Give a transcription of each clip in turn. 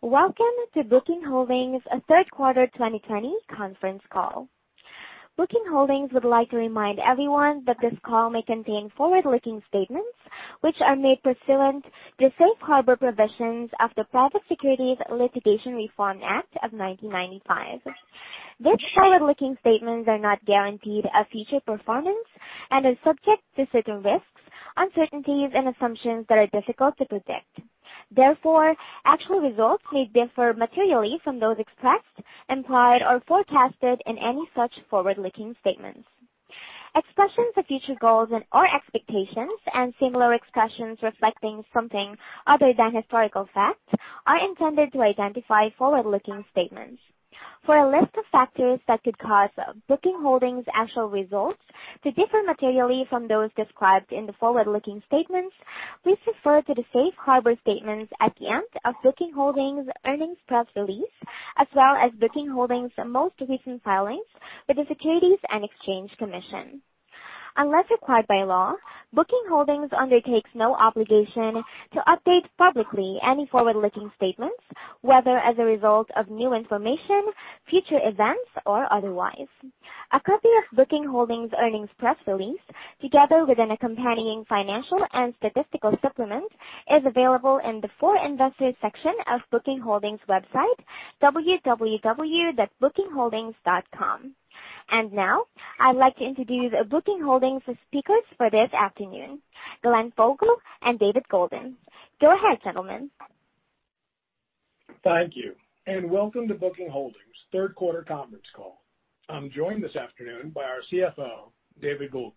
Welcome to Booking Holdings' third quarter 2020 conference call. Booking Holdings would like to remind everyone that this call may contain forward-looking statements, which are made pursuant to safe harbor provisions of the Private Securities Litigation Reform Act of 1995. These forward-looking statements are not guarantees of future performance and are subject to certain risks, uncertainties, and assumptions that are difficult to predict. Therefore, actual results may differ materially from those expressed, implied, or forecasted in any such forward-looking statements. Expressions of future goals and/or expectations and similar expressions reflecting something other than historical fact are intended to identify forward-looking statements. For a list of factors that could cause Booking Holdings' actual results to differ materially from those described in the forward-looking statements, please refer to the safe harbor statements at the end of Booking Holdings' earnings press release, as well as Booking Holdings' most recent filings with the Securities and Exchange Commission. Unless required by law, Booking Holdings undertakes no obligation to update publicly any forward-looking statements, whether as a result of new information, future events, or otherwise. A copy of Booking Holdings' earnings press release, together with an accompanying financial and statistical supplement, is available in the For Investors section of Booking Holdings' website, www.bookingholdings.com. Now I'd like to introduce Booking Holdings' speakers for this afternoon, Glenn Fogel and David Goulden. Go ahead, gentlemen. Thank you, and welcome to Booking Holdings' third quarter conference call. I'm joined this afternoon by our CFO, David Goulden.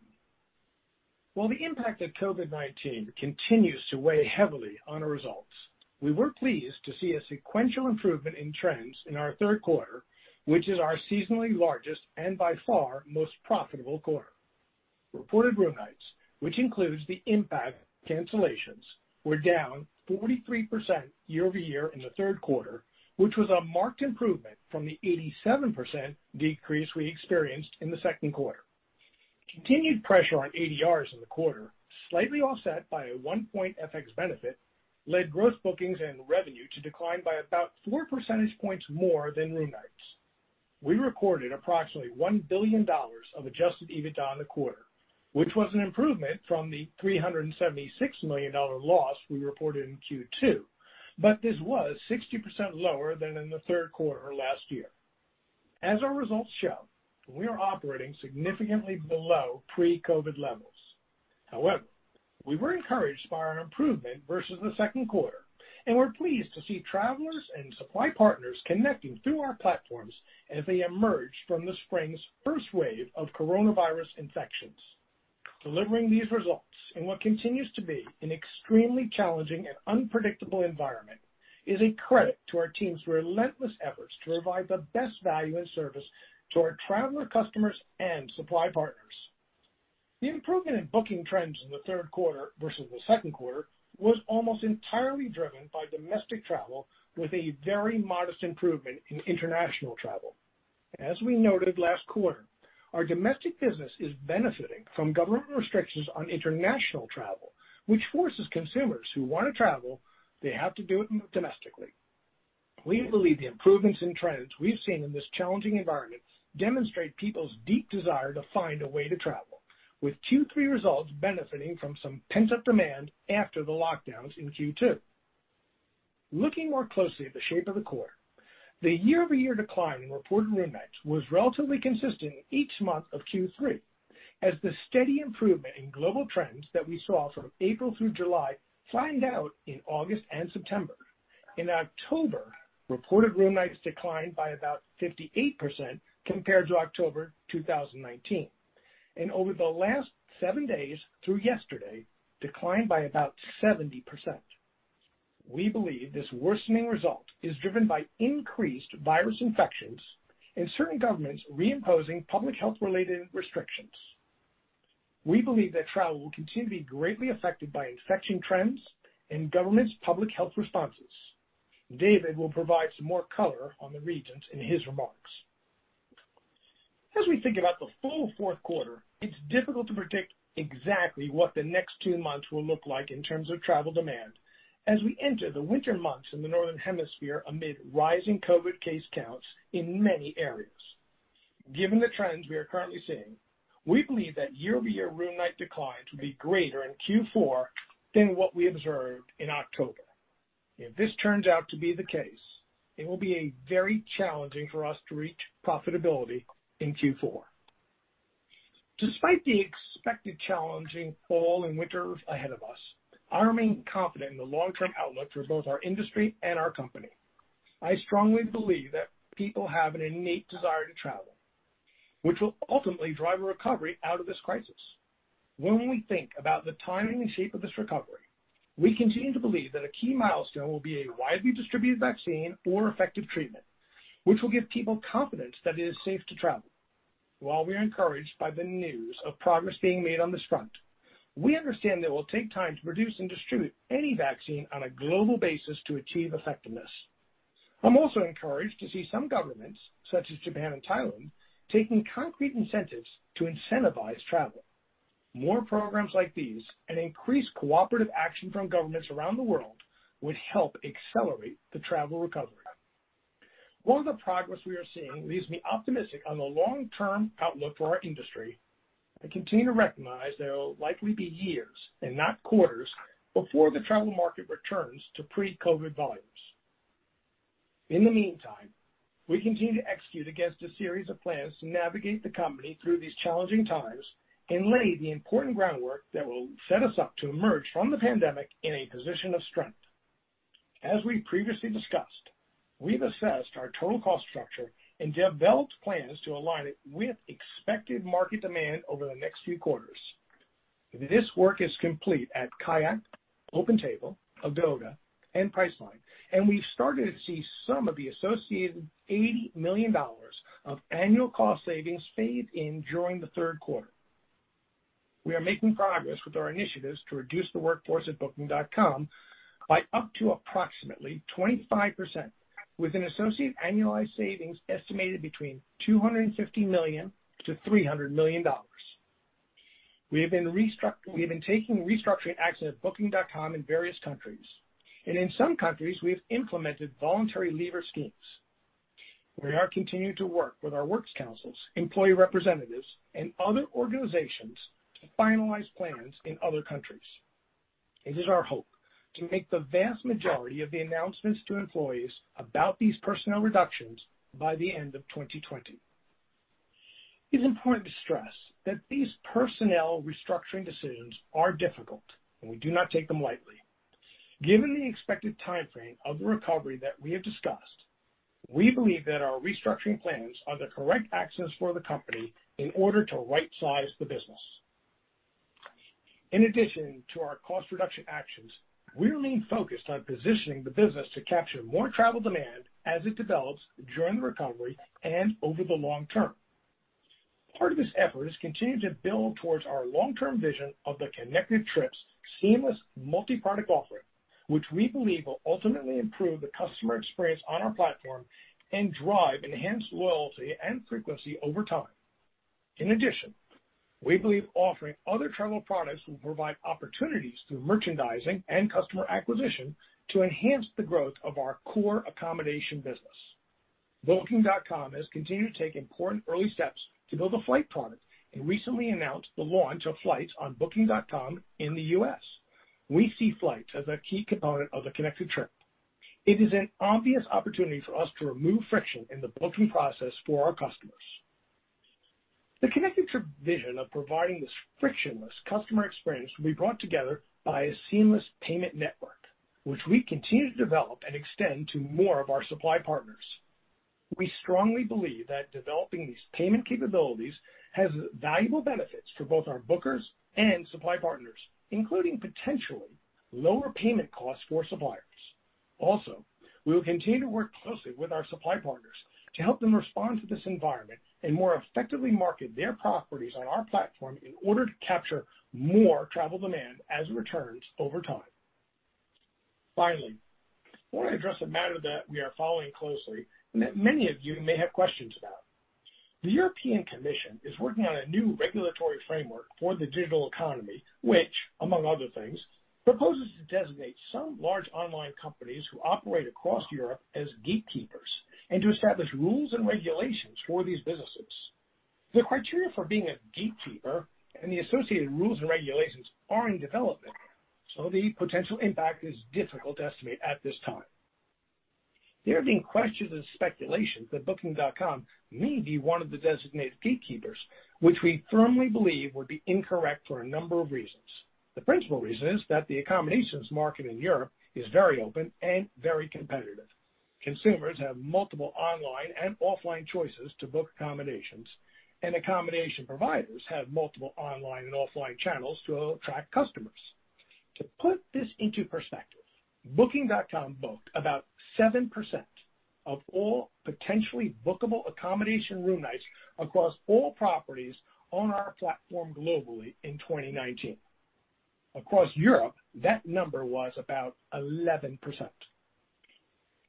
While the impact of COVID-19 continues to weigh heavily on our results, we were pleased to see a sequential improvement in trends in our third quarter, which is our seasonally largest and by far most profitable quarter. Reported room nights, which includes the impact of cancellations, were down 43% year-over-year in the third quarter, which was a marked improvement from the 87% decrease we experienced in the second quarter. Continued pressure on ADRs in the quarter, slightly offset by a one-point FX benefit, led gross bookings and revenue to decline by about four percentage points more than room nights. We recorded approximately $1 billion of adjusted EBITDA in the quarter, which was an improvement from the $376 million loss we reported in Q2. This was 60% lower than in the third quarter last year. As our results show, we are operating significantly below pre-COVID levels. However, we were encouraged by our improvement versus the second quarter, and we're pleased to see travelers and supply partners connecting through our platforms as they emerge from the spring's first wave of coronavirus infections. Delivering these results in what continues to be an extremely challenging and unpredictable environment is a credit to our team's relentless efforts to provide the best value and service to our traveler customers and supply partners. The improvement in booking trends in the third quarter versus the second quarter was almost entirely driven by domestic travel, with a very modest improvement in international travel. As we noted last quarter, our domestic business is benefiting from government restrictions on international travel, which forces consumers who want to travel, they have to do it domestically. We believe the improvements in trends we've seen in this challenging environment demonstrate people's deep desire to find a way to travel, with Q3 results benefiting from some pent-up demand after the lockdowns in Q2. Looking more closely at the shape of the quarter, the year-over-year decline in reported room nights was relatively consistent each month of Q3, as the steady improvement in global trends that we saw from April through July flattened out in August and September. In October, reported room nights declined by about 58% compared to October 2019, and over the last seven days through yesterday, declined by about 70%. We believe this worsening result is driven by increased virus infections and certain governments reimposing public health-related restrictions. We believe that travel will continue to be greatly affected by infection trends and governments' public health responses. David will provide some more color on the regions in his remarks. As we think about the full fourth quarter, it's difficult to predict exactly what the next two months will look like in terms of travel demand as we enter the winter months in the northern hemisphere amid rising COVID-19 case counts in many areas. Given the trends we are currently seeing, we believe that year-over-year room night declines will be greater in Q4 than what we observed in October. If this turns out to be the case, it will be very challenging for us to reach profitability in Q4. Despite the expected challenging fall and winter ahead of us, I remain confident in the long-term outlook for both our industry and our company. I strongly believe that people have an innate desire to travel, which will ultimately drive a recovery out of this crisis. When we think about the timing and shape of this recovery, we continue to believe that a key milestone will be a widely distributed vaccine or effective treatment, which will give people confidence that it is safe to travel. While we are encouraged by the news of progress being made on this front, we understand that it will take time to produce and distribute any vaccine on a global basis to achieve effectiveness. I'm also encouraged to see some governments, such as Japan and Thailand, taking concrete incentives to incentivize travel. More programs like these and increased cooperative action from governments around the world would help accelerate the travel recovery. While the progress we are seeing leaves me optimistic on the long-term outlook for our industry, I continue to recognize that it'll likely be years, and not quarters, before the travel market returns to pre-COVID volumes. In the meantime, we continue to execute against a series of plans to navigate the company through these challenging times and lay the important groundwork that will set us up to emerge from the pandemic in a position of strength. As we previously discussed, we've assessed our total cost structure and developed plans to align it with expected market demand over the next few quarters. This work is complete at KAYAK, OpenTable, Agoda, and Priceline, and we've started to see some of the associated $80 million of annual cost savings fade in during the third quarter. We are making progress with our initiatives to reduce the workforce at Booking.com by up to approximately 25%, with an associated annualized savings estimated between $250 million-$300 million. We have been taking restructuring actions at Booking.com in various countries, and in some countries, we have implemented voluntary leaver schemes. We are continuing to work with our works councils, employee representatives, and other organizations to finalize plans in other countries. It is our hope to make the vast majority of the announcements to employees about these personnel reductions by the end of 2020. It is important to stress that these personnel restructuring decisions are difficult, and we do not take them lightly. Given the expected timeframe of the recovery that we have discussed, we believe that our restructuring plans are the correct actions for the company in order to right-size the business. In addition to our cost reduction actions, we remain focused on positioning the business to capture more travel demand as it develops during the recovery and over the long term. Part of this effort is continuing to build towards our long-term vision of the Connected Trip seamless multi-product offering, which we believe will ultimately improve the customer experience on our platform and drive enhanced loyalty and frequency over time. In addition, we believe offering other travel products will provide opportunities through merchandising and customer acquisition to enhance the growth of our core accommodation business. Booking.com has continued to take important early steps to build a flight product and recently announced the launch of flights on Booking.com in the U.S. We see flights as a key component of the Connected Trip. It is an obvious opportunity for us to remove friction in the booking process for our customers. The Connected Trip vision of providing this frictionless customer experience will be brought together by a seamless payment network, which we continue to develop and extend to more of our supply partners. We strongly believe that developing these payment capabilities has valuable benefits for both our bookers and supply partners, including potentially lower payment costs for suppliers. We will continue to work closely with our supply partners to help them respond to this environment and more effectively market their properties on our platform in order to capture more travel demand as it returns over time. I want to address a matter that we are following closely and that many of you may have questions about. The European Commission is working on a new regulatory framework for the digital economy, which, among other things, proposes to designate some large online companies who operate across Europe as gatekeepers and to establish rules and regulations for these businesses. The criteria for being a gatekeeper and the associated rules and regulations are in development, so the potential impact is difficult to estimate at this time. There have been questions and speculations that Booking.com may be one of the designated gatekeepers, which we firmly believe would be incorrect for a number of reasons. The principal reason is that the accommodations market in Europe is very open and very competitive. Consumers have multiple online and offline choices to book accommodations, and accommodation providers have multiple online and offline channels to attract customers. To put this into perspective, Booking.com booked about 7% of all potentially bookable accommodation room nights across all properties on our platform globally in 2019. Across Europe, that number was about 11%.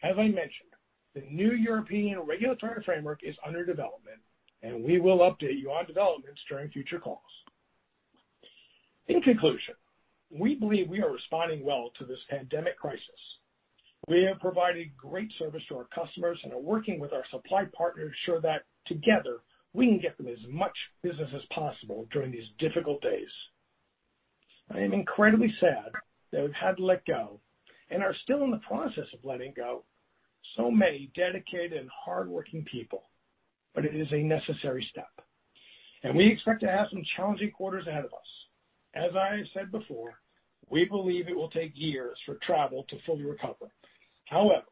As I mentioned, the new European regulatory framework is under development, and we will update you on developments during future calls. In conclusion, we believe we are responding well to this pandemic crisis. We have provided great service to our customers and are working with our supply partners to ensure that together we can get them as much business as possible during these difficult days. I am incredibly sad that we've had to let go and are still in the process of letting go so many dedicated and hardworking people, but it is a necessary step, and we expect to have some challenging quarters ahead of us. As I said before, we believe it will take years for travel to fully recover. However,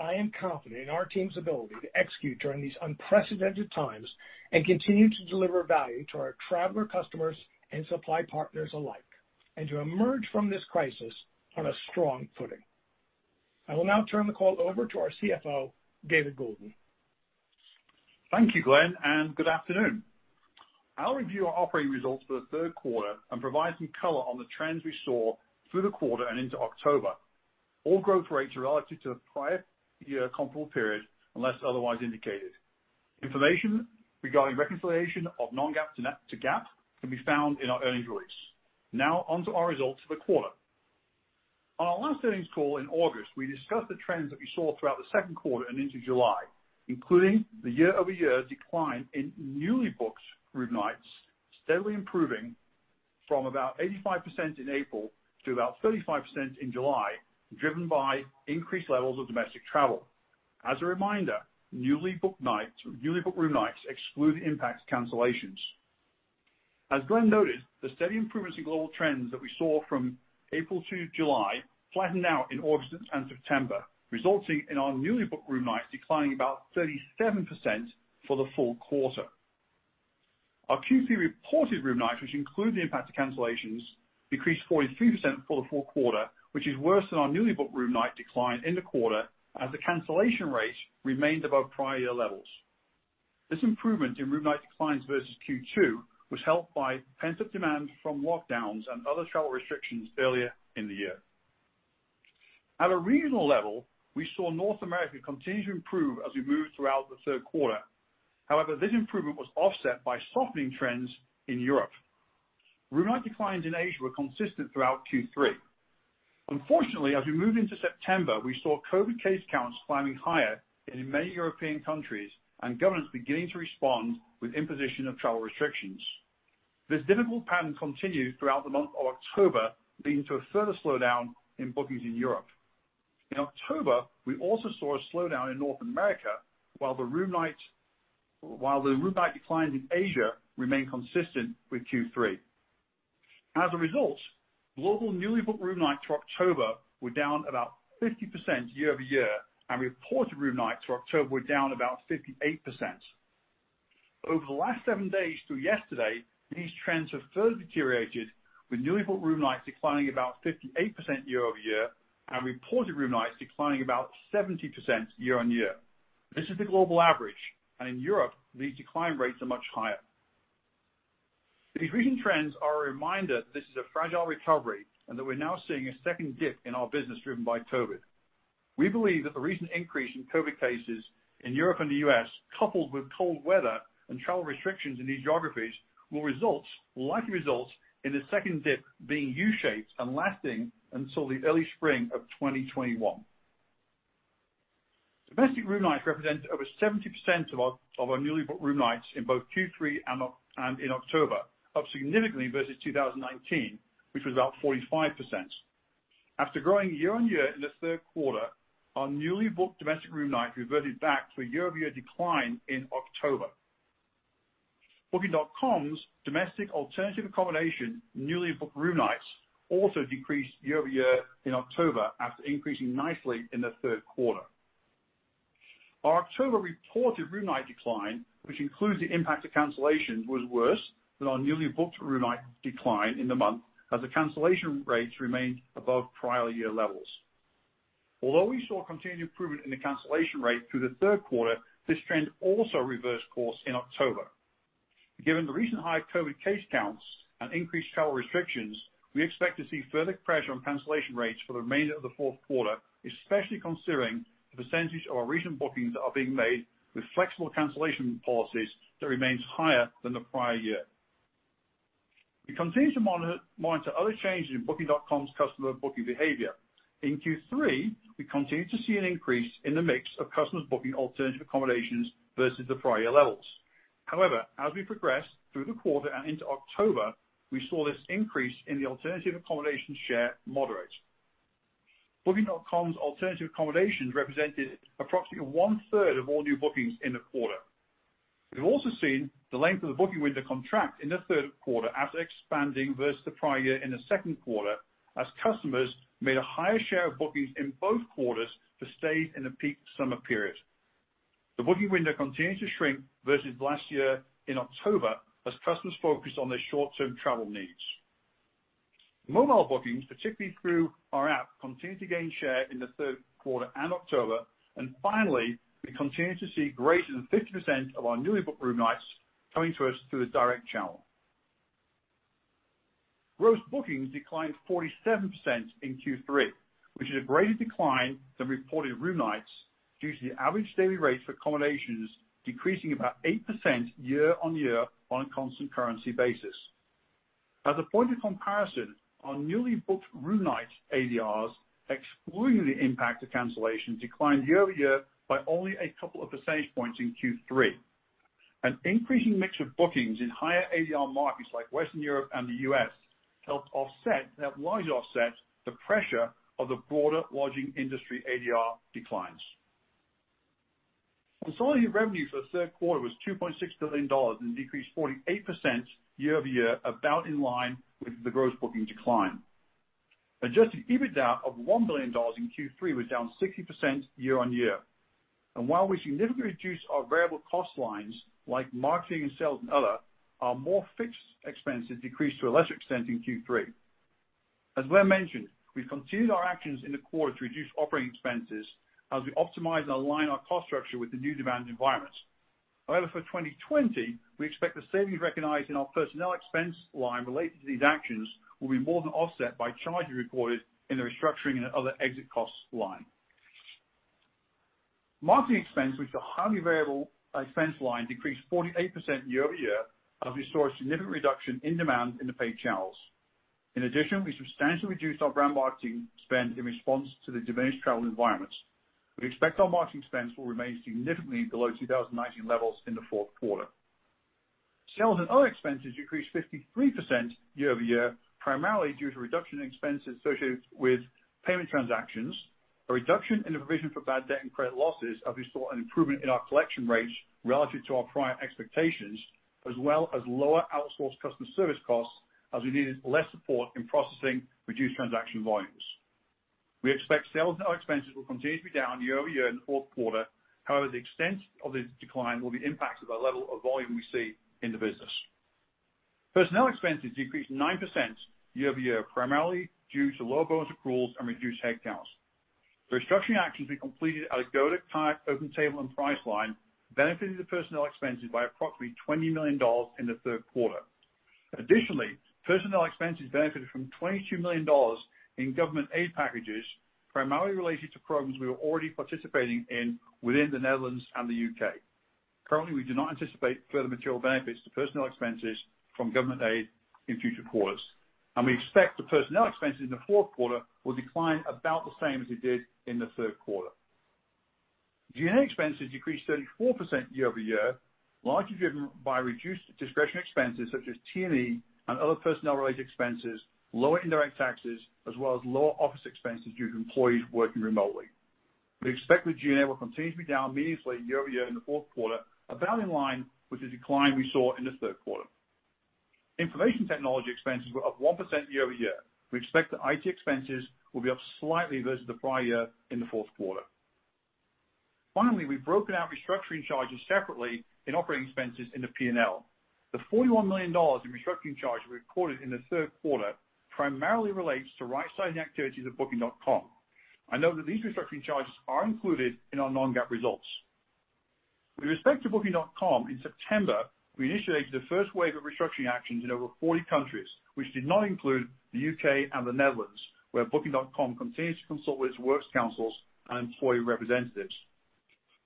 I am confident in our team's ability to execute during these unprecedented times and continue to deliver value to our traveler customers and supply partners alike, and to emerge from this crisis on a strong footing. I will now turn the call over to our CFO, David Goulden. Thank you, Glenn, and good afternoon. I'll review our operating results for the third quarter and provide some color on the trends we saw through the quarter and into October. All growth rates are relative to the prior year comparable period, unless otherwise indicated. Information regarding reconciliation of non-GAAP to GAAP can be found in our earnings release. Now on to our results for the quarter. On our last earnings call in August, we discussed the trends that we saw throughout the second quarter and into July, including the year-over-year decline in newly booked room nights steadily improving from about 85% in April to about 35% in July, driven by increased levels of domestic travel. As a reminder, newly booked room nights exclude the impact of cancellations. As Glenn noted, the steady improvements in global trends that we saw from April to July flattened out in August and September, resulting in our newly booked room nights declining about 37% for the full quarter. Our Q3 reported room nights, which include the impact of cancellations, decreased 43% for the full quarter, which is worse than our newly booked room night decline in the quarter, as the cancellation rate remained above prior year levels. This improvement in room night declines versus Q2 was helped by pent-up demand from lockdowns and other travel restrictions earlier in the year. At a regional level, we saw North America continue to improve as we moved throughout the third quarter. However, this improvement was offset by softening trends in Europe. Room night declines in Asia were consistent throughout Q3. Unfortunately, as we moved into September, we saw COVID case counts climbing higher in many European countries and governments beginning to respond with imposition of travel restrictions. This difficult pattern continued throughout the month of October, leading to a further slowdown in bookings in Europe. In October, we also saw a slowdown in North America while the room night declines in Asia remained consistent with Q3. As a result, global newly booked room nights for October were down about 50% year-over-year, and reported room nights for October were down about 58%. Over the last seven days through yesterday, these trends have further deteriorated, with newly booked room nights declining about 58% year-over-year and reported room nights declining about 70% year-on-year. This is the global average. In Europe, the decline rates are much higher. These recent trends are a reminder that this is a fragile recovery and that we're now seeing a second dip in our business driven by COVID. We believe that the recent increase in COVID cases in Europe and the U.S., coupled with cold weather and travel restrictions in these geographies, will likely result in the second dip being U-shaped and lasting until the early spring of 2021. Domestic room nights represent over 70% of our newly booked room nights in both Q3 and in October, up significantly versus 2019, which was about 45%. After growing year-on-year in the third quarter, our newly booked domestic room nights reverted back to a year-over-year decline in October. Booking.com's domestic alternative accommodation newly booked room nights also decreased year-over-year in October after increasing nicely in the third quarter. Our October reported room night decline, which includes the impact of cancellations, was worse than our newly booked room night decline in the month as the cancellation rates remained above prior year levels. Although we saw continued improvement in the cancellation rate through the third quarter, this trend also reversed course in October. Given the recent high COVID-19 case counts and increased travel restrictions, we expect to see further pressure on cancellation rates for the remainder of the fourth quarter, especially considering the percentage of our recent bookings that are being made with flexible cancellation policies that remains higher than the prior year. We continue to monitor other changes in Booking.com's customer booking behavior. In Q3, we continued to see an increase in the mix of customers booking alternative accommodations versus the prior year levels. However, as we progressed through the quarter and into October, we saw this increase in the alternative accommodation share moderate. Booking.com's alternative accommodations represented approximately 1/3 of all new bookings in the quarter. We've also seen the length of the booking window contract in the third quarter after expanding versus the prior year in the second quarter as customers made a higher share of bookings in both quarters for stays in the peak summer period. The booking window continued to shrink versus last year in October as customers focused on their short-term travel needs. Mobile bookings, particularly through our app, continued to gain share in the third quarter and October. Finally, we continued to see greater than 50% of our newly booked room nights coming to us through the direct channel. Gross bookings declined 47% in Q3, which is a greater decline than reported room nights due to the average daily rates for accommodations decreasing about 8% year-on-year on a constant currency basis. As a point of comparison, our newly booked room nights ADRs, excluding the impact of cancellations, declined year-over-year by only a couple of percentage points in Q3. An increasing mix of bookings in higher ADR markets like Western Europe and the U.S. helped largely offset the pressure of the broader lodging industry ADR declines. Consolidated revenue for the third quarter was $2.6 billion and decreased 48% year-over-year, about in line with the gross booking decline. Adjusted EBITDA of $1 billion in Q3 was down 60% year-on-year. While we significantly reduced our variable cost lines like marketing and sales and other, our more fixed expenses decreased to a lesser extent in Q3. As Glenn mentioned, we've continued our actions in the quarter to reduce operating expenses as we optimize and align our cost structure with the new demand environment. However, for 2020, we expect the savings recognized in our personnel expense line related to these actions will be more than offset by charges recorded in the restructuring and other exit costs line. Marketing expense, which is a highly variable expense line, decreased 48% year-over-year as we saw a significant reduction in demand in the paid channels. In addition, we substantially reduced our brand marketing spend in response to the diminished travel environments. We expect our marketing expense will remain significantly below 2019 levels in the fourth quarter. Sales and other expenses increased 53% year-over-year, primarily due to reduction in expenses associated with payment transactions, a reduction in the provision for bad debt and credit losses as we saw an improvement in our collection rates relative to our prior expectations, as well as lower outsourced customer service costs as we needed less support in processing reduced transaction volumes. We expect sales and other expenses will continue to be down year-over-year in the fourth quarter. The extent of this decline will be impacted by level of volume we see in the business. Personnel expenses decreased 9% year-over-year, primarily due to low bonus accruals and reduced headcounts. The restructuring actions we completed at Agoda, KAYAK, OpenTable, and Priceline benefited the personnel expenses by approximately $20 million in the third quarter. Additionally, personnel expenses benefited from $22 million in government aid packages, primarily related to programs we were already participating in within the Netherlands and the U.K. Currently, we do not anticipate further material benefits to personnel expenses from government aid in future quarters, and we expect the personnel expenses in the fourth quarter will decline about the same as it did in the third quarter. G&A expenses decreased 34% year-over-year, largely driven by reduced discretionary expenses such as T&E and other personnel-related expenses, lower indirect taxes, as well as lower office expenses due to employees working remotely. We expect the G&A will continue to be down meaningfully year-over-year in the fourth quarter, about in line with the decline we saw in the third quarter. Information technology expenses were up 1% year-over-year. We expect the IT expenses will be up slightly versus the prior year in the fourth quarter. Finally, we've broken out restructuring charges separately in operating expenses in the P&L. The $41 million in restructuring charges we recorded in the third quarter primarily relates to rightsizing activities of Booking.com. I note that these restructuring charges are included in our non-GAAP results. With respect to Booking.com, in September, we initiated the first wave of restructuring actions in over 40 countries, which did not include the U.K. and the Netherlands, where Booking.com continues to consult with its works councils and employee representatives.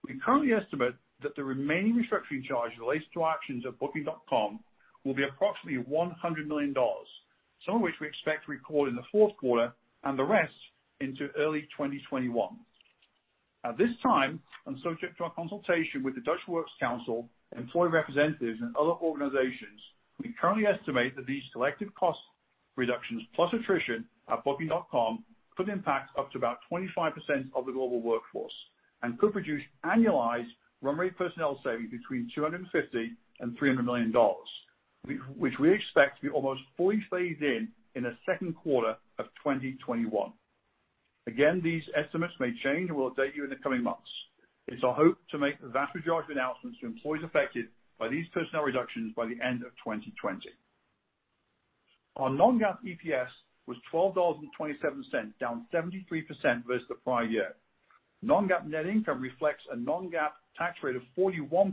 We currently estimate that the remaining restructuring charge related to our actions at Booking.com will be approximately $100 million, some of which we expect to record in the fourth quarter and the rest into early 2021. At this time, and subject to our consultation with the Dutch Works Council and employee representatives and other organizations, we currently estimate that these collective cost reductions plus attrition at Booking.com could impact up to about 25% of the global workforce and could produce annualized run rate personnel savings between $250 million-$300 million, which we expect to be almost fully phased in in the second quarter of 2021. Again, these estimates may change, and we'll update you in the coming months. It's our hope to make the vast majority of announcements to employees affected by these personnel reductions by the end of 2020. Our non-GAAP EPS was $12.27, down 73% versus the prior year. Non-GAAP net income reflects a non-GAAP tax rate of 41%,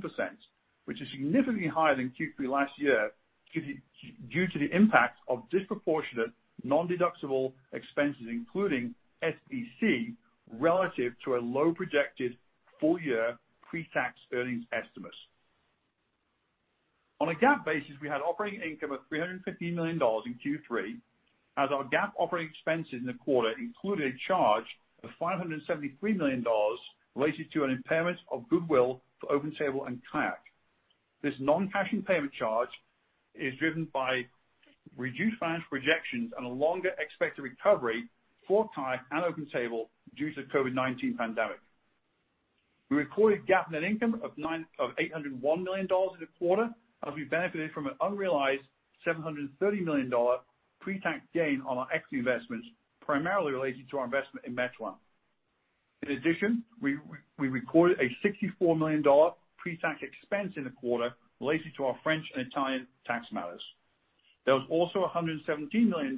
which is significantly higher than Q3 last year due to the impact of disproportionate non-deductible expenses, including SBC, relative to our low projected full-year pre-tax earnings estimates. On a GAAP basis, we had operating income of $315 million in Q3 as our GAAP operating expenses in the quarter included a charge of $573 million related to an impairment of goodwill for OpenTable and KAYAK. This non-cash impairment charge is driven by reduced financial projections and a longer expected recovery for KAYAK and OpenTable due to the COVID-19 pandemic. We recorded GAAP net income of $801 million in the quarter as we benefited from an unrealized $730 million pre-tax gain on our equity investments, primarily related to our investment in Meituan. We recorded a $64 million pre-tax expense in the quarter related to our French and Italian tax matters. There was also $117 million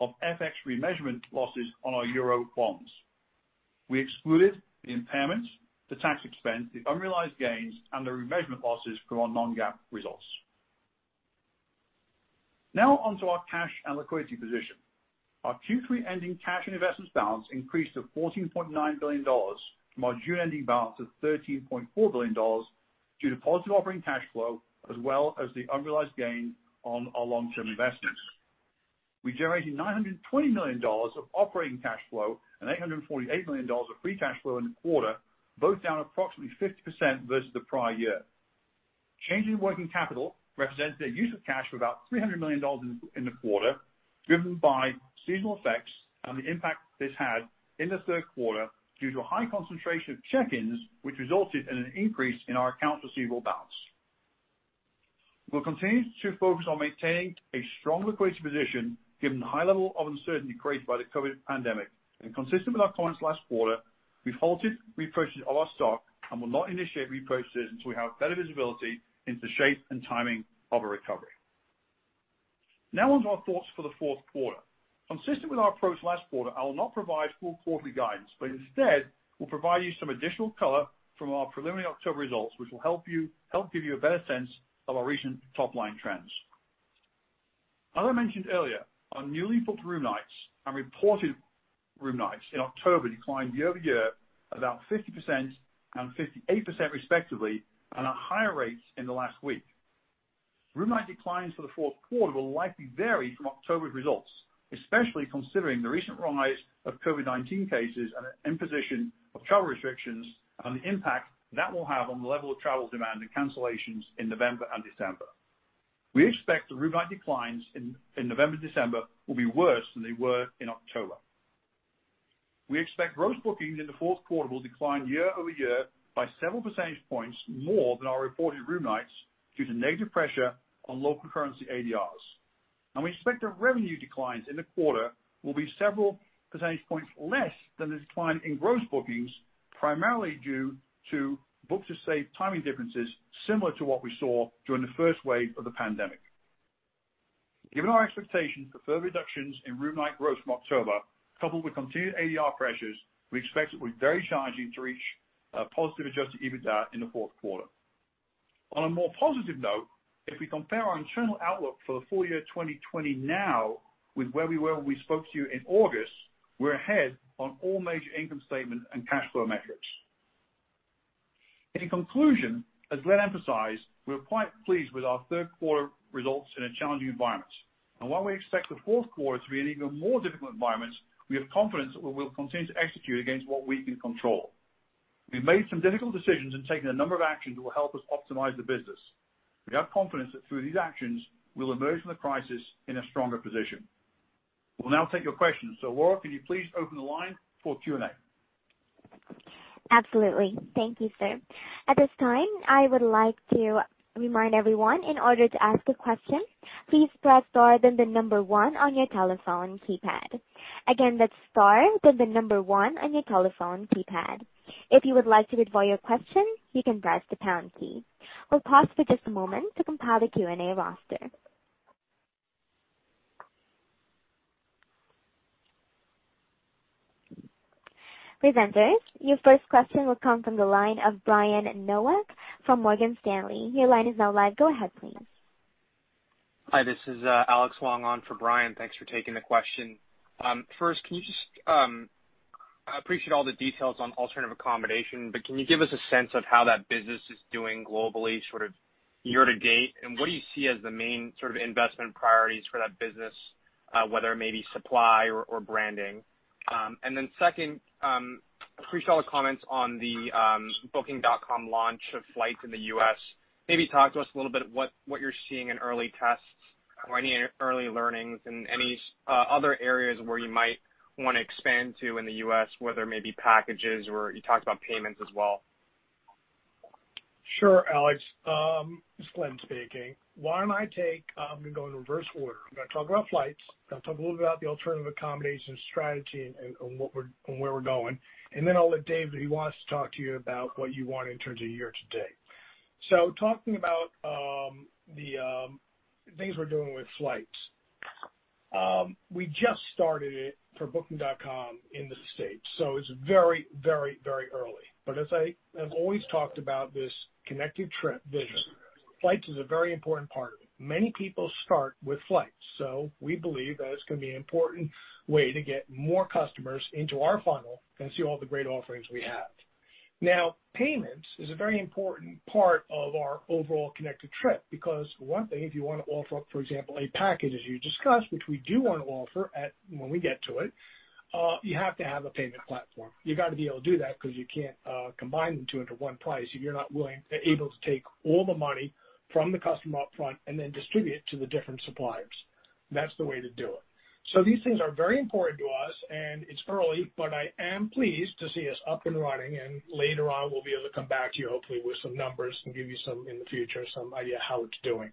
of FX remeasurement losses on our euro bonds. We excluded the impairment, the tax expense, the unrealized gains, and the remeasurement losses from our non-GAAP results. Now on to our cash and liquidity position. Our Q3 ending cash and investments balance increased to $14.9 billion from our June ending balance of $13.4 billion due to positive operating cash flow as well as the unrealized gain on our long-term investments. We generated $920 million of operating cash flow and $848 million of free cash flow in the quarter, both down approximately 50% versus the prior year. Change in working capital represents a use of cash of about $300 million in the quarter, driven by seasonal effects and the impact this had in the third quarter due to a high concentration of check-ins, which resulted in an increase in our accounts receivable balance. We'll continue to focus on maintaining a strong liquidity position given the high level of uncertainty created by the COVID-19 pandemic. Consistent with our comments last quarter, we've halted repurchase of our stock and will not initiate repurchases until we have better visibility into the shape and timing of a recovery. Now on to our thoughts for the fourth quarter. Consistent with our approach last quarter, I will not provide full quarterly guidance, but instead we'll provide you some additional color from our preliminary October results, which will help give you a better sense of our recent top-line trends. As I mentioned earlier, our newly booked room nights and reported room nights in October declined year-over-year about 50% and 58% respectively, and at higher rates in the last week. Room night declines for the fourth quarter will likely vary from October's results, especially considering the recent rise of COVID-19 cases and the imposition of travel restrictions and the impact that will have on the level of travel demand and cancellations in November and December. We expect the room night declines in November and December will be worse than they were in October. We expect gross bookings in the fourth quarter will decline year-over-year by several percentage points more than our reported room nights due to negative pressure on local currency ADRs. We expect our revenue declines in the quarter will be several percentage points less than the decline in gross bookings, primarily due to book to save timing differences similar to what we saw during the first wave of the pandemic. Given our expectations for further reductions in room night growth from October, coupled with continued ADR pressures, we expect it will be very challenging to reach a positive adjusted EBITDA in the fourth quarter. On a more positive note, if we compare our internal outlook for the full year 2020 now with where we were when we spoke to you in August, we're ahead on all major income statement and cash flow metrics. In conclusion, as Glenn emphasized, we are quite pleased with our third quarter results in a challenging environment. While we expect the fourth quarter to be an even more difficult environment, we have confidence that we will continue to execute against what we can control. We've made some difficult decisions and taken a number of actions that will help us optimize the business. We have confidence that through these actions, we'll emerge from the crisis in a stronger position. We'll now take your questions. Laura, can you please open the line for Q&A? Absolutely. Thank you, sir. At this time, I would like to remind everyone in order to ask a question, please press star, then number one on your telephone keypad. Again, that's star, then number one on your telephone keypad. If you would like to withdraw your question, you can press the pound key. We'll pause for just a moment to compile a Q&A roster. Presenters, your first question will come from the line of Brian Nowak from Morgan Stanley. Your line is now live. Go ahead, please. Hi, this is Alex Wang on for Brian. Thanks for taking the question. First, I appreciate all the details on alternative accommodation, can you give us a sense of how that business is doing globally year-to-date? What do you see as the main investment priorities for that business, whether it may be supply or branding? Second, appreciate all the comments on the Booking.com launch of flights in the U.S. Maybe talk to us a little bit what you're seeing in early tests or any early learnings and any other areas where you might want to expand to in the U.S., whether it may be packages or you talked about payments as well. Sure, Alex. This is Glenn speaking. Why don't I take in reverse order. I'm going to talk about flights, going to talk a little bit about the alternative accommodations strategy and where we're going, and then I'll let David, he wants to talk to you about what you want in terms of year-to-date. Talking about the things we're doing with flights. We just started it for Booking.com in the U.S., so it's very early. As I have always talked about this Connected Trip vision, flights is a very important part of it. Many people start with flights, so we believe that it's going to be an important way to get more customers into our funnel and see all the great offerings we have. Payments is a very important part of our overall Connected Trip because for one thing, if you want to offer, for example, a package as you discussed, which we do want to offer when we get to it, you have to have a payment platform. You got to be able to do that because you can't combine the two into one price if you're not able to take all the money from the customer up front and then distribute it to the different suppliers. That's the way to do it. These things are very important to us and it's early, but I am pleased to see us up and running and later on we'll be able to come back to you hopefully with some numbers and give you some in the future, some idea how it's doing.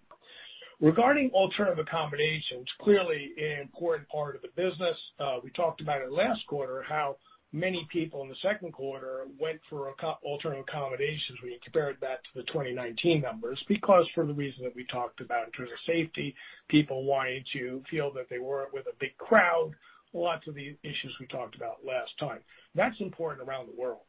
Regarding alternative accommodations, clearly an important part of the business. We talked about it last quarter, how many people in the second quarter went for alternative accommodations. We compared that to the 2019 numbers because for the reason that we talked about in terms of safety, people wanting to feel that they weren't with a big crowd, lots of the issues we talked about last time. That's important around the world.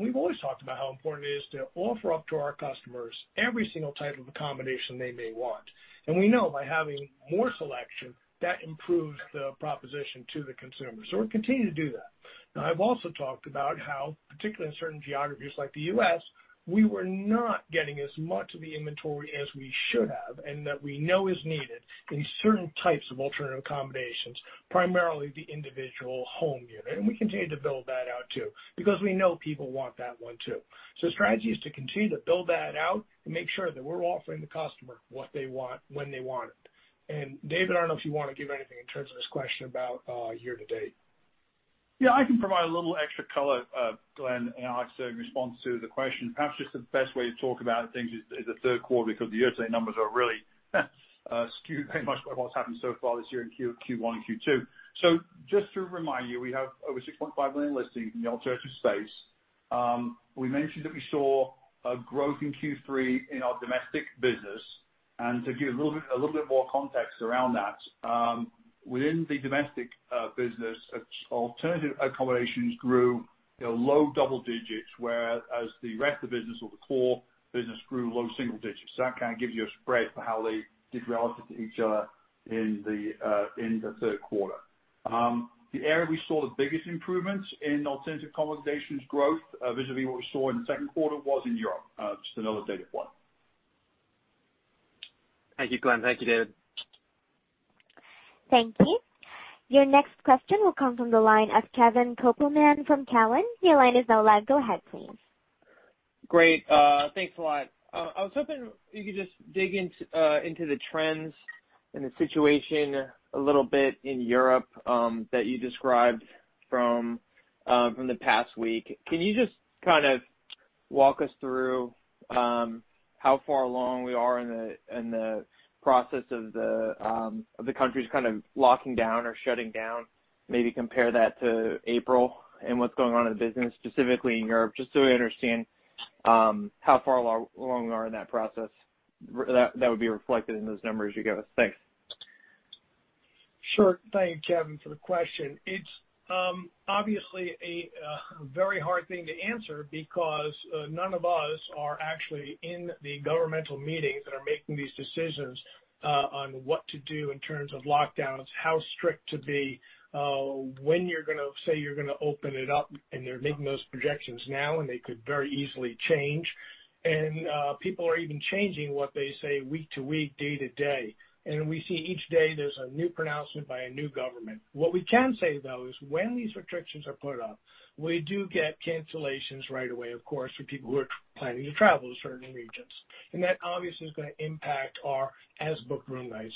We've always talked about how important it is to offer up to our customers every single type of accommodation they may want. We know by having more selection, that improves the proposition to the consumer. We continue to do that. I've also talked about how, particularly in certain geographies like the U.S., we were not getting as much of the inventory as we should have and that we know is needed in certain types of alternative accommodations, primarily the individual home unit. We continue to build that out too because we know people want that one too. The strategy is to continue to build that out and make sure that we're offering the customer what they want when they want it. David, I don't know if you want to give anything in terms of this question about year-to-date. I can provide a little extra color, Glenn and Alex, in response to the question. Perhaps just the best way to talk about things is the third quarter because the year-to-date numbers are really skewed very much by what's happened so far this year in Q1 and Q2. Just to remind you, we have over 6.5 million listings in the alternative space. We mentioned that we saw a growth in Q3 in our domestic business, and to give a little bit more context around that, within the domestic business, alternative accommodations grew low double digits, whereas the rest of the business, or the core business, grew low single digits. That kind of gives you a spread for how they did relative to each other in the third quarter. The area we saw the biggest improvements in alternative accommodations growth, vis-a-vis what we saw in the second quarter, was in Europe. Just another data point. Thank you, Glenn. Thank you, David. Thank you. Your next question will come from the line of Kevin Kopelman from Cowen. Go ahead, please. Great. Thanks a lot. I was hoping you could just dig into the trends and the situation a little bit in Europe that you described from the past week. Can you just kind of walk us through how far along we are in the process of the countries kind of locking down or shutting down? Maybe compare that to April and what's going on in the business, specifically in Europe, just so we understand how far along we are in that process that would be reflected in those numbers you gave us. Thanks. Sure. Thank you, Kevin, for the question. It's obviously a very hard thing to answer because none of us are actually in the governmental meetings that are making these decisions on what to do in terms of lockdowns, how strict to be, when you're going to say you're going to open it up, and they're making those projections now, and they could very easily change. People are even changing what they say week-to-week, day-to-day, and we see each day there's a new pronouncement by a new government. What we can say, though, is when these restrictions are put up, we do get cancellations right away, of course, for people who are planning to travel to certain regions, and that obviously is going to impact our as booked room nights.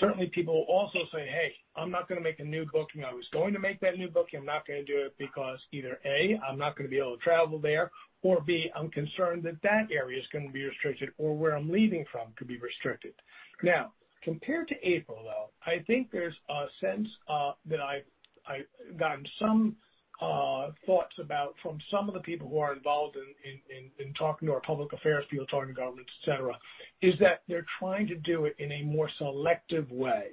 Certainly, people also say, "Hey, I'm not going to make a new booking. I was going to make that new booking. I'm not going to do it because either, A, I'm not going to be able to travel there, or B, I'm concerned that that area is going to be restricted, or where I'm leaving from could be restricted. Compared to April, though, I think there's a sense that I've gotten some thoughts about from some of the people who are involved in talking to our public affairs people, talking to governments, et cetera, is that they're trying to do it in a more selective way.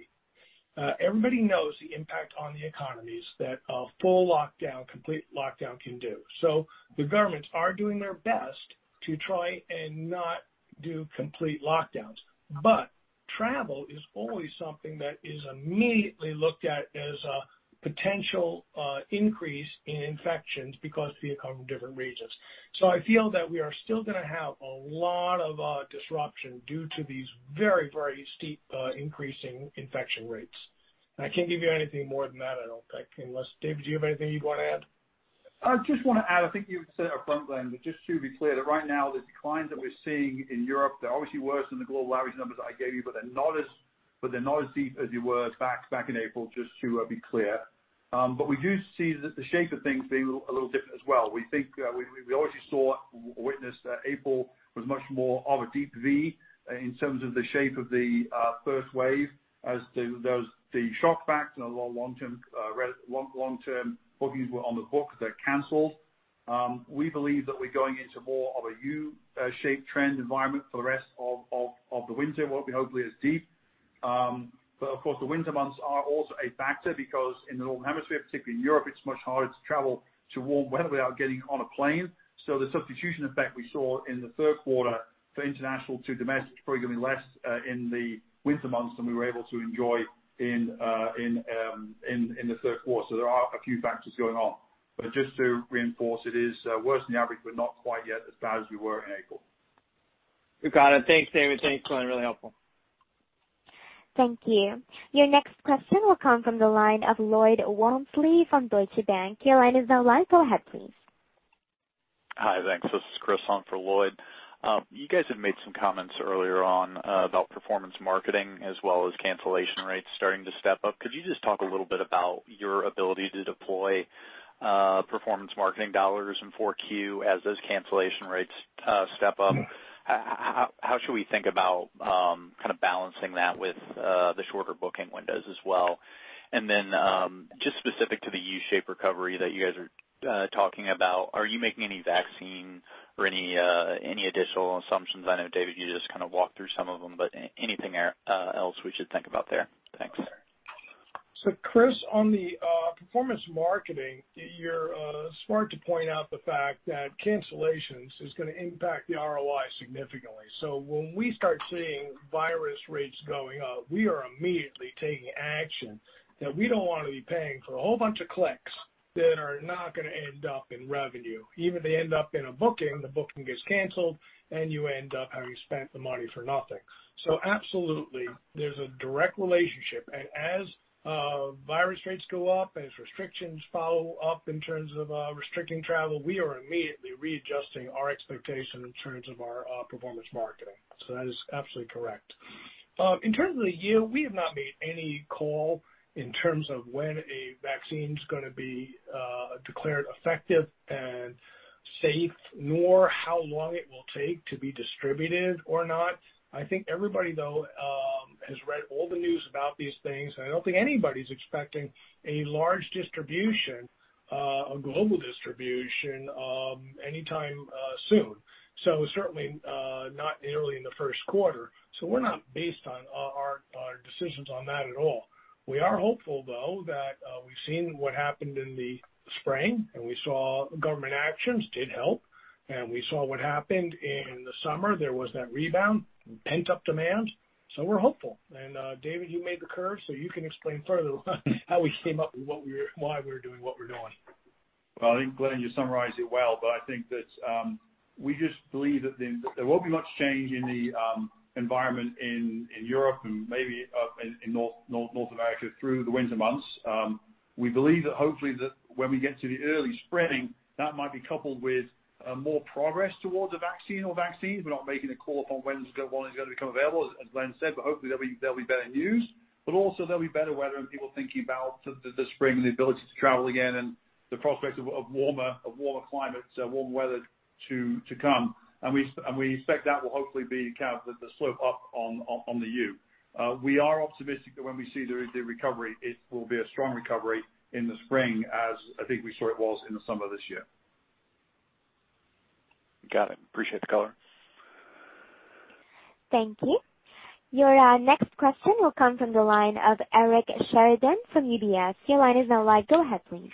Everybody knows the impact on the economies that a full lockdown, complete lockdown can do. The governments are doing their best to try and not do complete lockdowns. Travel is always something that is immediately looked at as a potential increase in infections because people are coming from different regions. I feel that we are still going to have a lot of disruption due to these very, very steep increasing infection rates. I can't give you anything more than that, I don't think, unless, David, do you have anything you'd want to add? I just want to add, I think you've said it up front then, but just to be clear, that right now, the declines that we're seeing in Europe, they're obviously worse than the global average numbers that I gave you, but they're not as deep as you were back in April, just to be clear. We do see the shape of things being a little different as well. We obviously saw or witnessed that April was much more of a deep V in terms of the shape of the first wave as the shock factor, long-term bookings were on the books that canceled. We believe that we're going into more of a U-shaped trend environment for the rest of the winter, won't be hopefully as deep. Of course, the winter months are also a factor because in the northern hemisphere, particularly in Europe, it's much harder to travel to warm weather without getting on a plane. The substitution effect we saw in the third quarter for international to domestic is probably going to be less in the winter months than we were able to enjoy in the third quarter. There are a few factors going on. Just to reinforce, it is worse than the average, but not quite yet as bad as we were in April. We got it. Thanks, David. Thanks, Glenn. Really helpful. Thank you. Your next question will come from the line of Lloyd Walmsley from Deutsche Bank. Your line is now live. Go ahead, please. Hi. Thanks. This is Chris on for Lloyd. You guys had made some comments earlier on about performance marketing as well as cancellation rates starting to step up. Could you just talk a little bit about your ability to deploy performance marketing dollars in 4Q as those cancellation rates step up? How should we think about kind of balancing that with the shorter booking windows as well? Just specific to the U-shape recovery that you guys are talking about, are you making any vaccine or any additional assumptions? I know, David, you just kind of walked through some of them. Anything else we should think about there? Thanks. Chris, on the performance marketing, you're smart to point out the fact that cancellations is going to impact the ROI significantly. When we start seeing virus rates going up, we are immediately taking action that we don't want to be paying for a whole bunch of clicks that are not going to end up in revenue. Even if they end up in a booking, the booking gets canceled, and you end up having spent the money for nothing. Absolutely, there's a direct relationship. As virus rates go up, as restrictions follow up in terms of restricting travel, we are immediately readjusting our expectation in terms of our performance marketing. That is absolutely correct. In terms of the year, we have not made any call in terms of when a vaccine's going to be declared effective and safe, nor how long it will take to be distributed or not. I think everybody, though has read all the news about these things, and I don't think anybody's expecting a large distribution, a global distribution, anytime soon. Certainly, not nearly in the first quarter. We're not based on our decisions on that at all. We are hopeful, though, that we've seen what happened in the spring, and we saw government actions did help, and we saw what happened in the summer. There was that rebound and pent-up demand. We're hopeful. David, you made the curve, so you can explain further how we came up with why we're doing what we're doing. Well, I think, Glenn, you summarized it well, but I think that we just believe that there won't be much change in the environment in Europe and maybe up in North America through the winter months. We believe that hopefully that when we get to the early spring, that might be coupled with more progress towards a vaccine or vaccines. We're not making a call on when one is going to become available, as Glenn said, but hopefully, there'll be better news. Also, there'll be better weather and people thinking about the spring and the ability to travel again and the prospect of warmer climate, warmer weather to come. We expect that will hopefully be kind of the slope up on the U. We are optimistic that when we see the recovery, it will be a strong recovery in the spring, as I think we saw it was in the summer of this year. Got it. Appreciate the color. Thank you. Your next question will come from the line of Eric Sheridan from UBS. Your line is now live. Go ahead, please.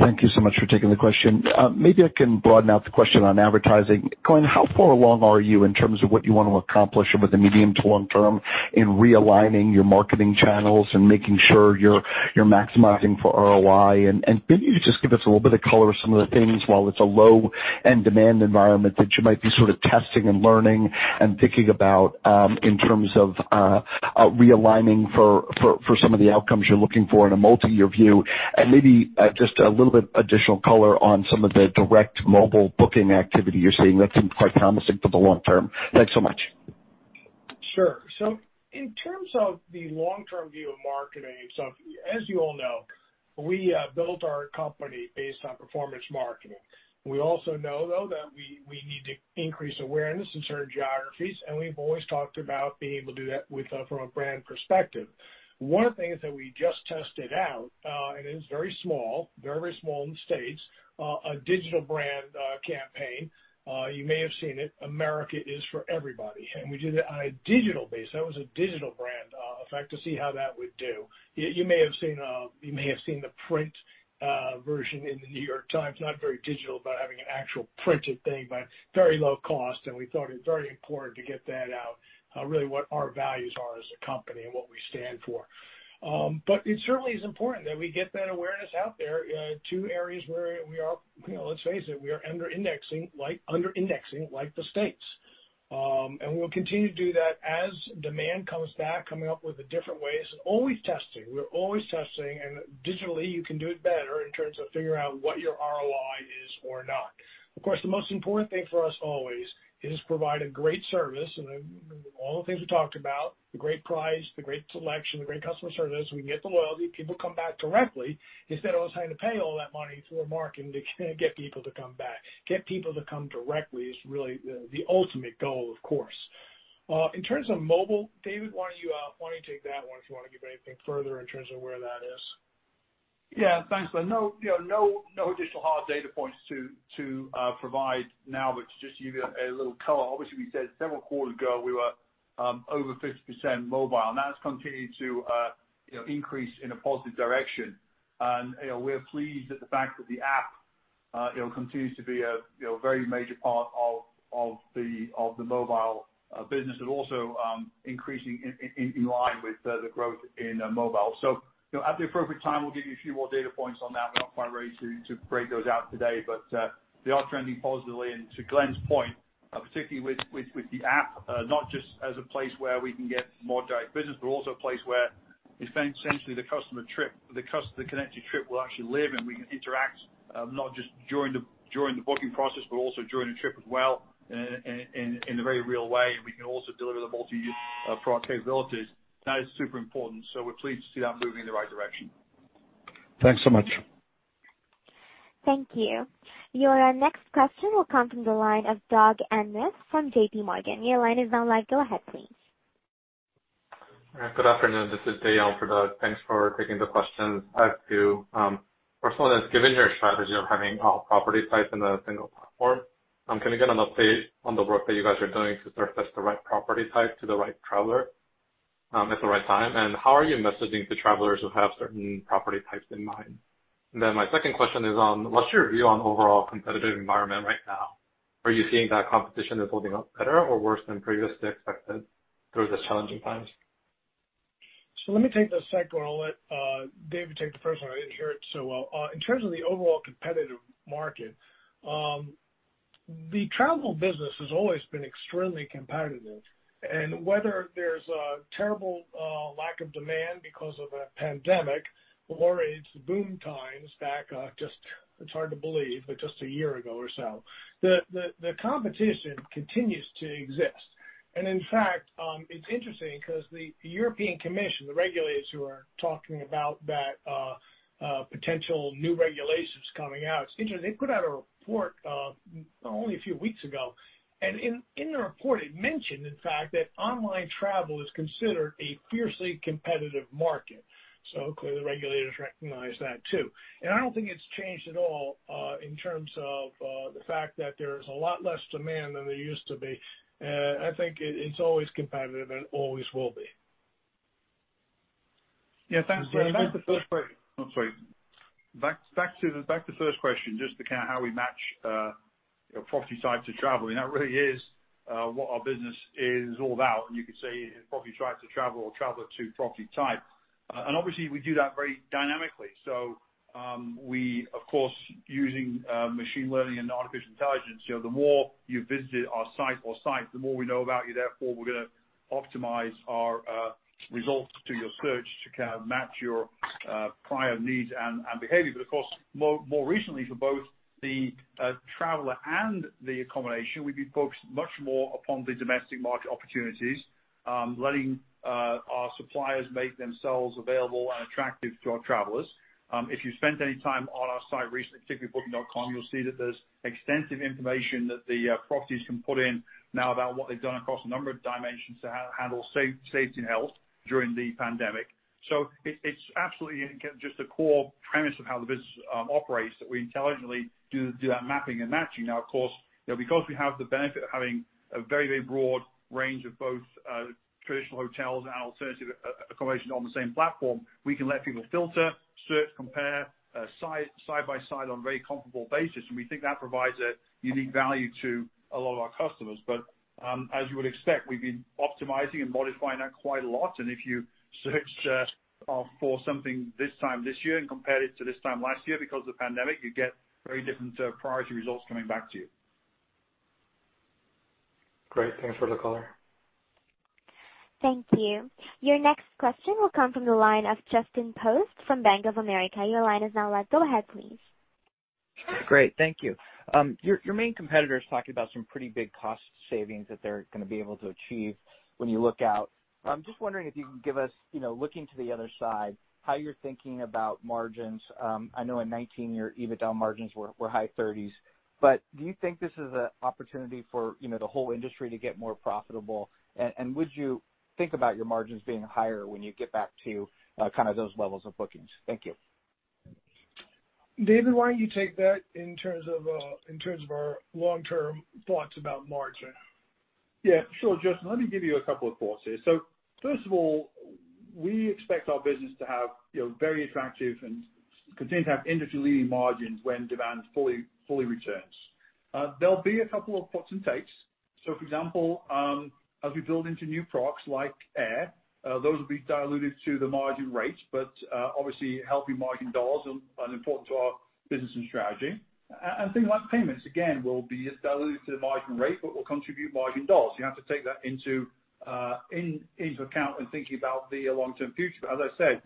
Thank you so much for taking the question. Maybe I can broaden out the question on advertising. Glenn, how far along are you in terms of what you want to accomplish over the medium to long term in realigning your marketing channels and making sure you're maximizing for ROI? Maybe you just give us a little bit of color of some of the things while it's a low-end demand environment that you might be sort of testing and learning and thinking about, in terms of realigning for some of the outcomes you're looking for in a multi-year view, and maybe just a little bit additional color on some of the direct mobile booking activity you're seeing that seems quite promising for the long term. Thanks so much. Sure. In terms of the long-term view of marketing, as you all know, we built our company based on performance marketing. We also know, though, that we need to increase awareness in certain geographies, and we've always talked about being able to do that from a brand perspective. One of the things that we just tested out, and it is very small in the States, a digital brand campaign. You may have seen it, America is For Everybody. We did it on a digital base. That was a digital brand effect to see how that would do. You may have seen the print version in The New York Times, not very digital, but having an actual printed thing, but very low cost, and we thought it was very important to get that out, really what our values are as a company and what we stand for. It certainly is important that we get that awareness out there to areas where we are, let's face it, we are under-indexing, like the U.S. We'll continue to do that as demand comes back, coming up with the different ways. Always testing. We're always testing, and digitally, you can do it better in terms of figuring out what your ROI is or not. Of course, the most important thing for us always is provide a great service and all the things we talked about, the great price, the great selection, the great customer service. We can get the loyalty. People come back directly instead of us having to pay all that money through marketing to get people to come back. Get people to come directly is really the ultimate goal, of course. In terms of mobile, David, why don't you take that one if you want to give anything further in terms of where that is? Yeah. Thanks, Glenn. No additional hard data points to provide now, but to just give you a little color. Obviously, we said several quarters ago we were over 50% mobile, and that's continued to increase in a positive direction. We're pleased at the fact that the app continues to be a very major part of the mobile business, but also increasing in line with the growth in mobile. At the appropriate time, we'll give you a few more data points on that. We're not quite ready to break those out today, but they are trending positively. To Glenn's point, particularly with the app, not just as a place where we can get more direct business, but also a place where essentially the customer-connected trip will actually live and we can interact, not just during the booking process, but also during the trip as well in a very real way. We can also deliver the multi-unit product capabilities. That is super important. We're pleased to see that moving in the right direction. Thanks so much. Thank you. Your next question will come from the line of Doug Anmuth from JPMorgan. Your line is now unmuted. Go ahead, please. Good afternoon. This is Dae for Doug. Thanks for taking the questions. I have two. First one is, given your strategy of having all property types in a single platform, can I get an update on the work that you guys are doing to surface the right property type to the right traveler at the right time? How are you messaging the travelers who have certain property types in mind? My second question is on, what's your view on overall competitive environment right now? Are you seeing that competition is holding up better or worse than previously expected through these challenging times? Let me take the second one. I'll let David take the first one. I didn't hear it so well. In terms of the overall competitive market, the travel business has always been extremely competitive. Whether there's a terrible lack of demand because of a pandemic or it's boom times back, it's hard to believe, but just a year ago or so, the competition continues to exist. In fact, it's interesting because the European Commission, the regulators who are talking about that potential new regulations coming out, it's interesting, they put out a report, only a few weeks ago and in the report, it mentioned, in fact, that online travel is considered a fiercely competitive market. Clearly, the regulators recognize that too. I don't think it's changed at all in terms of the fact that there is a lot less demand than there used to be. I think it is always competitive and always will be. Yeah. Thanks, David, the first part. I'm sorry. Back to the first question, just how we match property type to travel. That really is what our business is all about. You could say property type to travel or traveler to property type. Obviously, we do that very dynamically. We, of course, using machine learning and artificial intelligence, the more you visit our site or sites, the more we know about you. Therefore, we're going to optimize our results to your search to match your prior needs and behavior. Of course, more recently, for both the traveler and the accommodation, we've been focused much more upon the domestic market opportunities, letting our suppliers make themselves available and attractive to our travelers. If you've spent any time on our site recently, particularly Booking.com, you'll see that there's extensive information that the properties can put in now about what they've done across a number of dimensions to handle safety and health during the pandemic. It's absolutely just a core premise of how the business operates, that we intelligently do that mapping and matching. Of course, because we have the benefit of having a very broad range of both traditional hotels and alternative accommodation on the same platform, we can let people filter, search, compare, side-by-side on a very comparable basis, and we think that provides a unique value to a lot of our customers. As you would expect, we've been optimizing and modifying that quite a lot, and if you search for something this time this year and compare it to this time last year, because of the pandemic, you get very different priority results coming back to you. Great. Thanks for the color. Thank you. Your next question will come from the line of Justin Post from Bank of America. Your line is now live. Go ahead, please. Great. Thank you. Your main competitor is talking about some pretty big cost savings that they're going to be able to achieve when you look out. I'm just wondering if you can give us, looking to the other side, how you're thinking about margins. I know in 2019, your EBITDA margins were high 30s. Do you think this is an opportunity for the whole industry to get more profitable? Would you think about your margins being higher when you get back to those levels of bookings? Thank you. David, why don't you take that in terms of our long-term thoughts about margin? Yeah, sure, Justin, let me give you a couple of thoughts here. First of all, we expect our business to have very attractive and continue to have industry-leading margins when demand fully returns. There'll be a couple of puts and takes. For example, as we build into new products like Air, those will be diluted to the margin rate, but obviously helping margin dollars are important to our business and strategy. Things like payments, again, will be diluted to the margin rate, but will contribute margin dollars. You have to take that into account when thinking about the long-term future. As I said,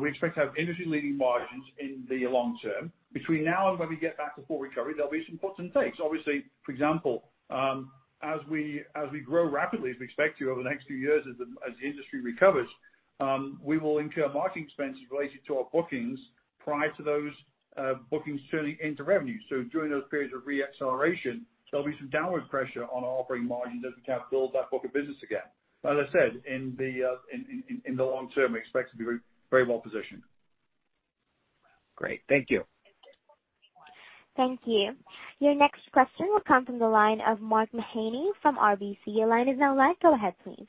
we expect to have industry-leading margins in the long term. Between now and when we get back to full recovery, there'll be some puts and takes. Obviously, for example, as we grow rapidly, as we expect to over the next few years as the industry recovers, we will incur marketing expenses related to our bookings prior to those bookings turning into revenue. During those periods of re-acceleration, there'll be some downward pressure on our operating margin as we build that book of business again. As I said, in the long term, we expect to be very well positioned. Great. Thank you. Thank you. Your next question will come from the line of Mark Mahaney from RBC. Your line is now live. Go ahead, please.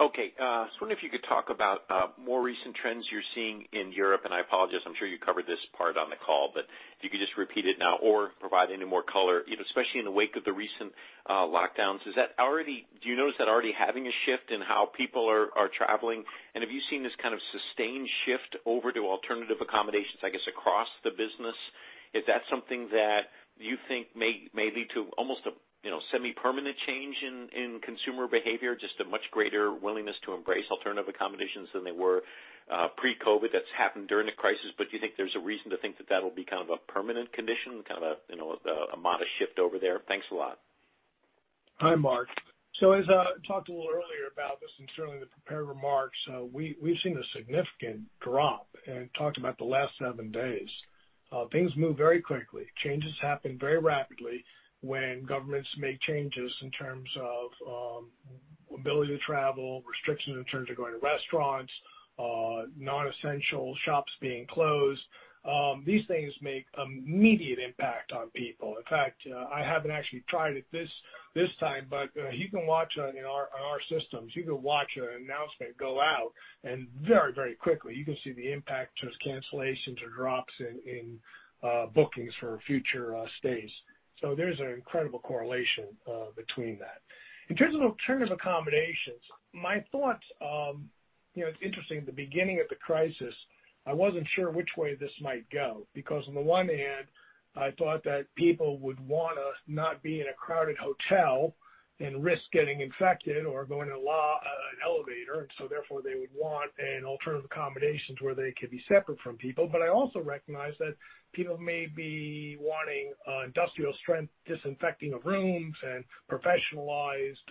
Okay. I was wondering if you could talk about more recent trends you're seeing in Europe. I apologize, I'm sure you covered this part on the call, but if you could just repeat it now or provide any more color, especially in the wake of the recent lockdowns. Do you notice that already having a shift in how people are traveling? Have you seen this kind of sustained shift over to alternative accommodations, I guess, across the business? Is that something that you think may lead to almost a semi-permanent change in consumer behavior, just a much greater willingness to embrace alternative accommodations than they were pre-COVID that's happened during the crisis, but do you think there's a reason to think that that'll be a permanent condition, a modest shift over there? Thanks a lot. Hi, Mark. As I talked a little earlier about this, and certainly in the prepared remarks, we've seen a significant drop, and talked about the last seven days. Things move very quickly. Changes happen very rapidly when governments make changes in terms of ability to travel, restrictions in terms of going to restaurants, non-essential shops being closed. These things make immediate impact on people. In fact, I haven't actually tried it this time, but you can watch on our systems, you can watch an announcement go out and very quickly you can see the impact to cancellations or drops in bookings for future stays. There's an incredible correlation between that. In terms of alternative accommodations, my thoughts, it's interesting, at the beginning of the crisis, I wasn't sure which way this might go, because on the one hand, I thought that people would want to not be in a crowded hotel and risk getting infected or going in an elevator, and so therefore, they would want an alternative accommodations where they could be separate from people. I also recognize that people may be wanting industrial strength disinfecting of rooms and professionalized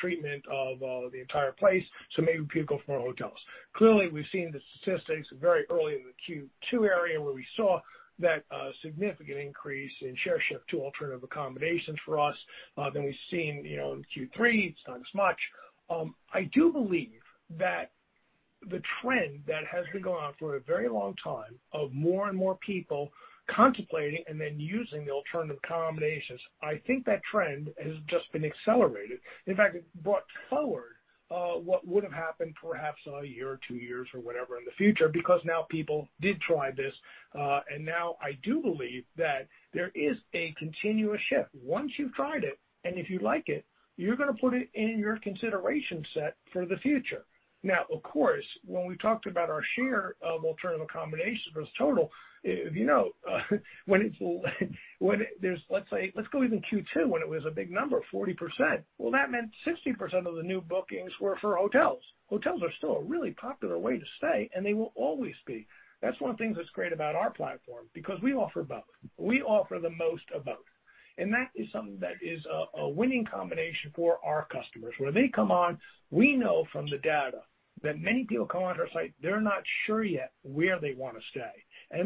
treatment of the entire place, so maybe people go for more hotels. Clearly, we've seen the statistics very early in the Q2 area where we saw that significant increase in share shift to alternative accommodations for us. We've seen in Q3 it's not as much. I do believe that the trend that has been going on for a very long time of more and more people contemplating and then using the alternative accommodations, I think that trend has just been accelerated. In fact, it brought forward what would've happened perhaps a year or two years or whatever in the future, because now people did try this. Now I do believe that there is a continuous shift. Once you've tried it, and if you like it, you're going to put it in your consideration set for the future. Now, of course, when we talked about our share of alternative accommodations versus total, when it's let's say, let's go even Q2, when it was a big number, 40%. Well, that meant 60% of the new bookings were for hotels. Hotels are still a really popular way to stay. They will always be. That's one of the things that's great about our platform because we offer both. We offer the most of both. That is something that is a winning combination for our customers. When they come on, we know from the data that many people come onto our site, they're not sure yet where they want to stay.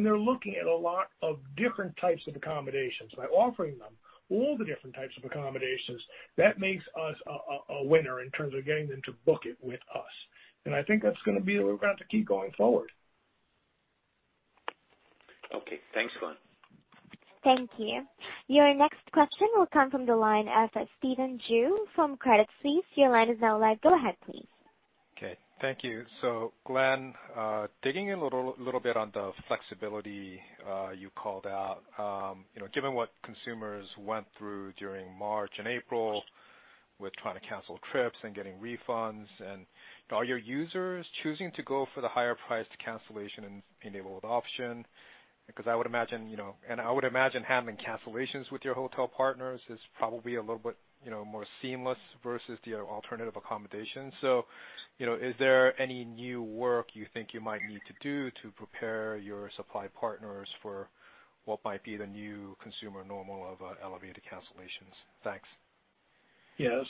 They're looking at a lot of different types of accommodations. By offering them all the different types of accommodations, that makes us a winner in terms of getting them to book it with us. I think that's going to be what we're going to have to keep going forward. Okay, thanks, Glenn. Thank you. Your next question will come from the line of Stephen Ju from Credit Suisse. Your line is now live. Go ahead, please. Okay. Thank you. Glenn, digging a little bit on the flexibility you called out. Given what consumers went through during March and April with trying to cancel trips and getting refunds, are your users choosing to go for the higher priced cancellation enabled option? I would imagine having cancellations with your hotel partners is probably a little bit more seamless versus the alternative accommodation. Is there any new work you think you might need to do to prepare your supply partners for what might be the new consumer normal of elevated cancellations? Thanks. Yes.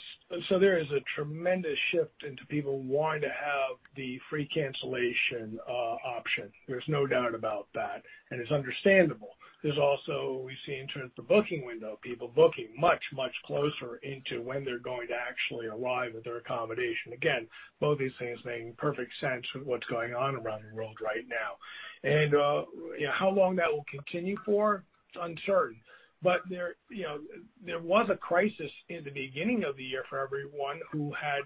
There is a tremendous shift into people wanting to have the free cancellation option. There's no doubt about that, and it's understandable. There's also, we see in terms of the booking window, people booking much, much closer into when they're going to actually arrive at their accommodation. Again, both these things making perfect sense with what's going on around the world right now. How long that will continue for, it's uncertain. There was a crisis in the beginning of the year for everyone who had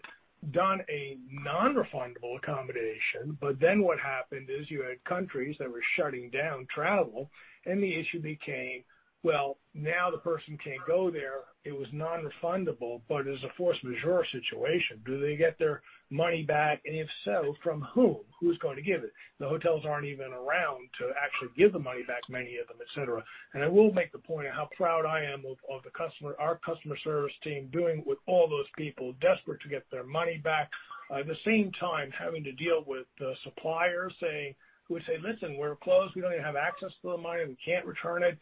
done a non-refundable accommodation. What happened is you had countries that were shutting down travel, and the issue became, well, now the person can't go there. It was non-refundable, but as a force majeure situation, do they get their money back? If so, from whom? Who's going to give it? The hotels aren't even around to actually give the money back, many of them, et cetera. I will make the point of how proud I am of our customer service team doing with all those people desperate to get their money back. At the same time, having to deal with the suppliers who would say, "Listen, we're closed. We don't even have access to the money, and we can't return it."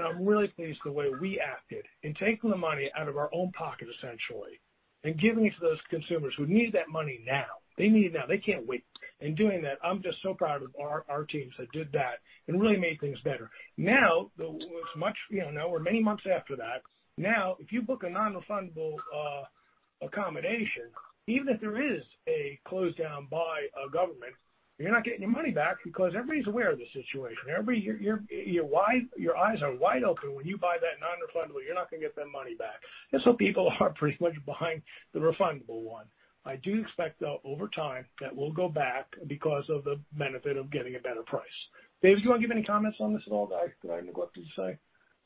I'm really pleased the way we acted in taking the money out of our own pocket, essentially, and giving it to those consumers who need that money now. They need it now. They can't wait. In doing that, I'm just so proud of our teams that did that and really made things better. Now we're many months after that. If you book a non-refundable accommodation, even if there is a close down by a government, you're not getting your money back because everybody's aware of the situation. Your eyes are wide open when you buy that non-refundable, you're not going to get that money back. People are pretty much behind the refundable one. I do expect, though, over time that we'll go back because of the benefit of getting a better price. Dave, do you want to give any comments on this at all, Dave? Did I neglect to say?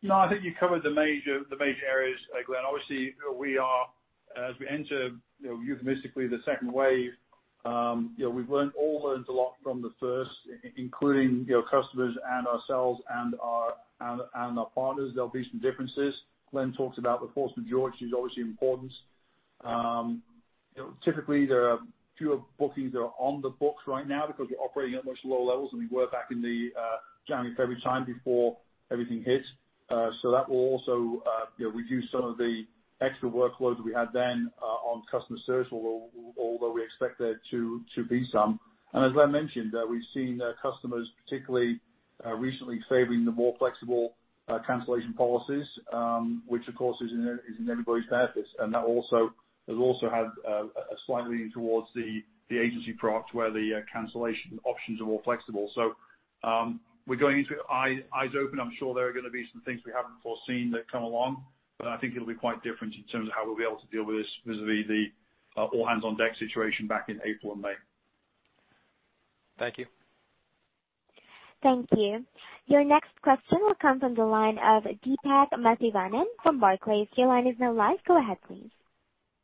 No, I think you covered the major areas, Glenn. Obviously, as we enter euphemistically the second wave, we've all learned a lot from the first, including customers and ourselves and our partners. There'll be some differences. Glenn talked about the force majeure, which is obviously important. Typically, there are fewer bookings that are on the books right now because we're operating at much lower levels than we were back in the January, February time before everything hit. That will also reduce some of the extra workload that we had then on customer service, although we expect there to be some. As Glenn mentioned, we've seen customers particularly recently favoring the more flexible cancellation policies, which of course is in everybody's benefit. That has also had a slight lean towards the agency product where the cancellation options are more flexible. We're going into it eyes open. I'm sure there are going to be some things we haven't foreseen that come along, but I think it'll be quite different in terms of how we'll be able to deal with this vis-a-vis the all-hands-on-deck situation back in April and May. Thank you. Thank you. Your next question will come from the line of Deepak Mathivanan from Barclays. Your line is now live. Go ahead, please.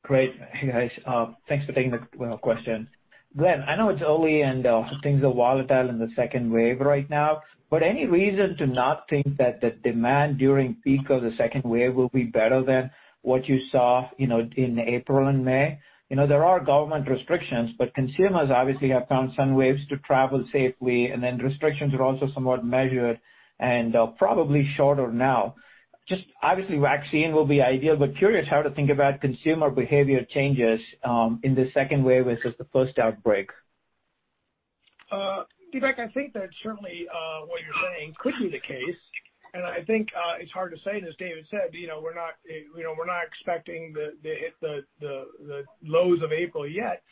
Great. Hey, guys. Thanks for taking the question. Glenn, I know it's early and things are volatile in the second wave right now. Any reason to not think that the demand during peak of the second wave will be better than what you saw in April and May? There are government restrictions. Consumers obviously have found some ways to travel safely. Restrictions are also somewhat measured and probably shorter now. Just obviously vaccine will be ideal. Curious how to think about consumer behavior changes in the second wave versus the first outbreak. Deepak, I think that certainly what you're saying could be the case, and I think it's hard to say, and as David said, we're not expecting the lows of April yet.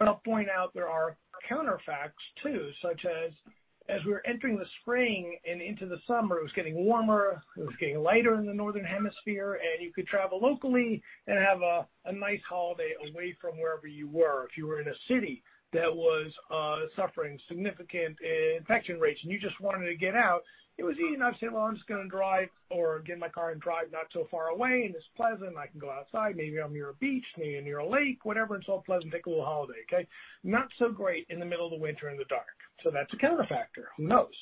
I'll point out there are counter facts too, such as we were entering the spring and into the summer, it was getting warmer, it was getting lighter in the northern hemisphere, and you could travel locally and have a nice holiday away from wherever you were. If you were in a city that was suffering significant infection rates and you just wanted to get out, it was easy enough to say, "Well, I'm just going to drive or get in my car and drive not so far away and it's pleasant and I can go outside." Maybe I'm near a beach, maybe I'm near a lake, whatever, it's all pleasant. Take a little holiday, okay? Not so great in the middle of the winter in the dark. That's a counter factor. Who knows?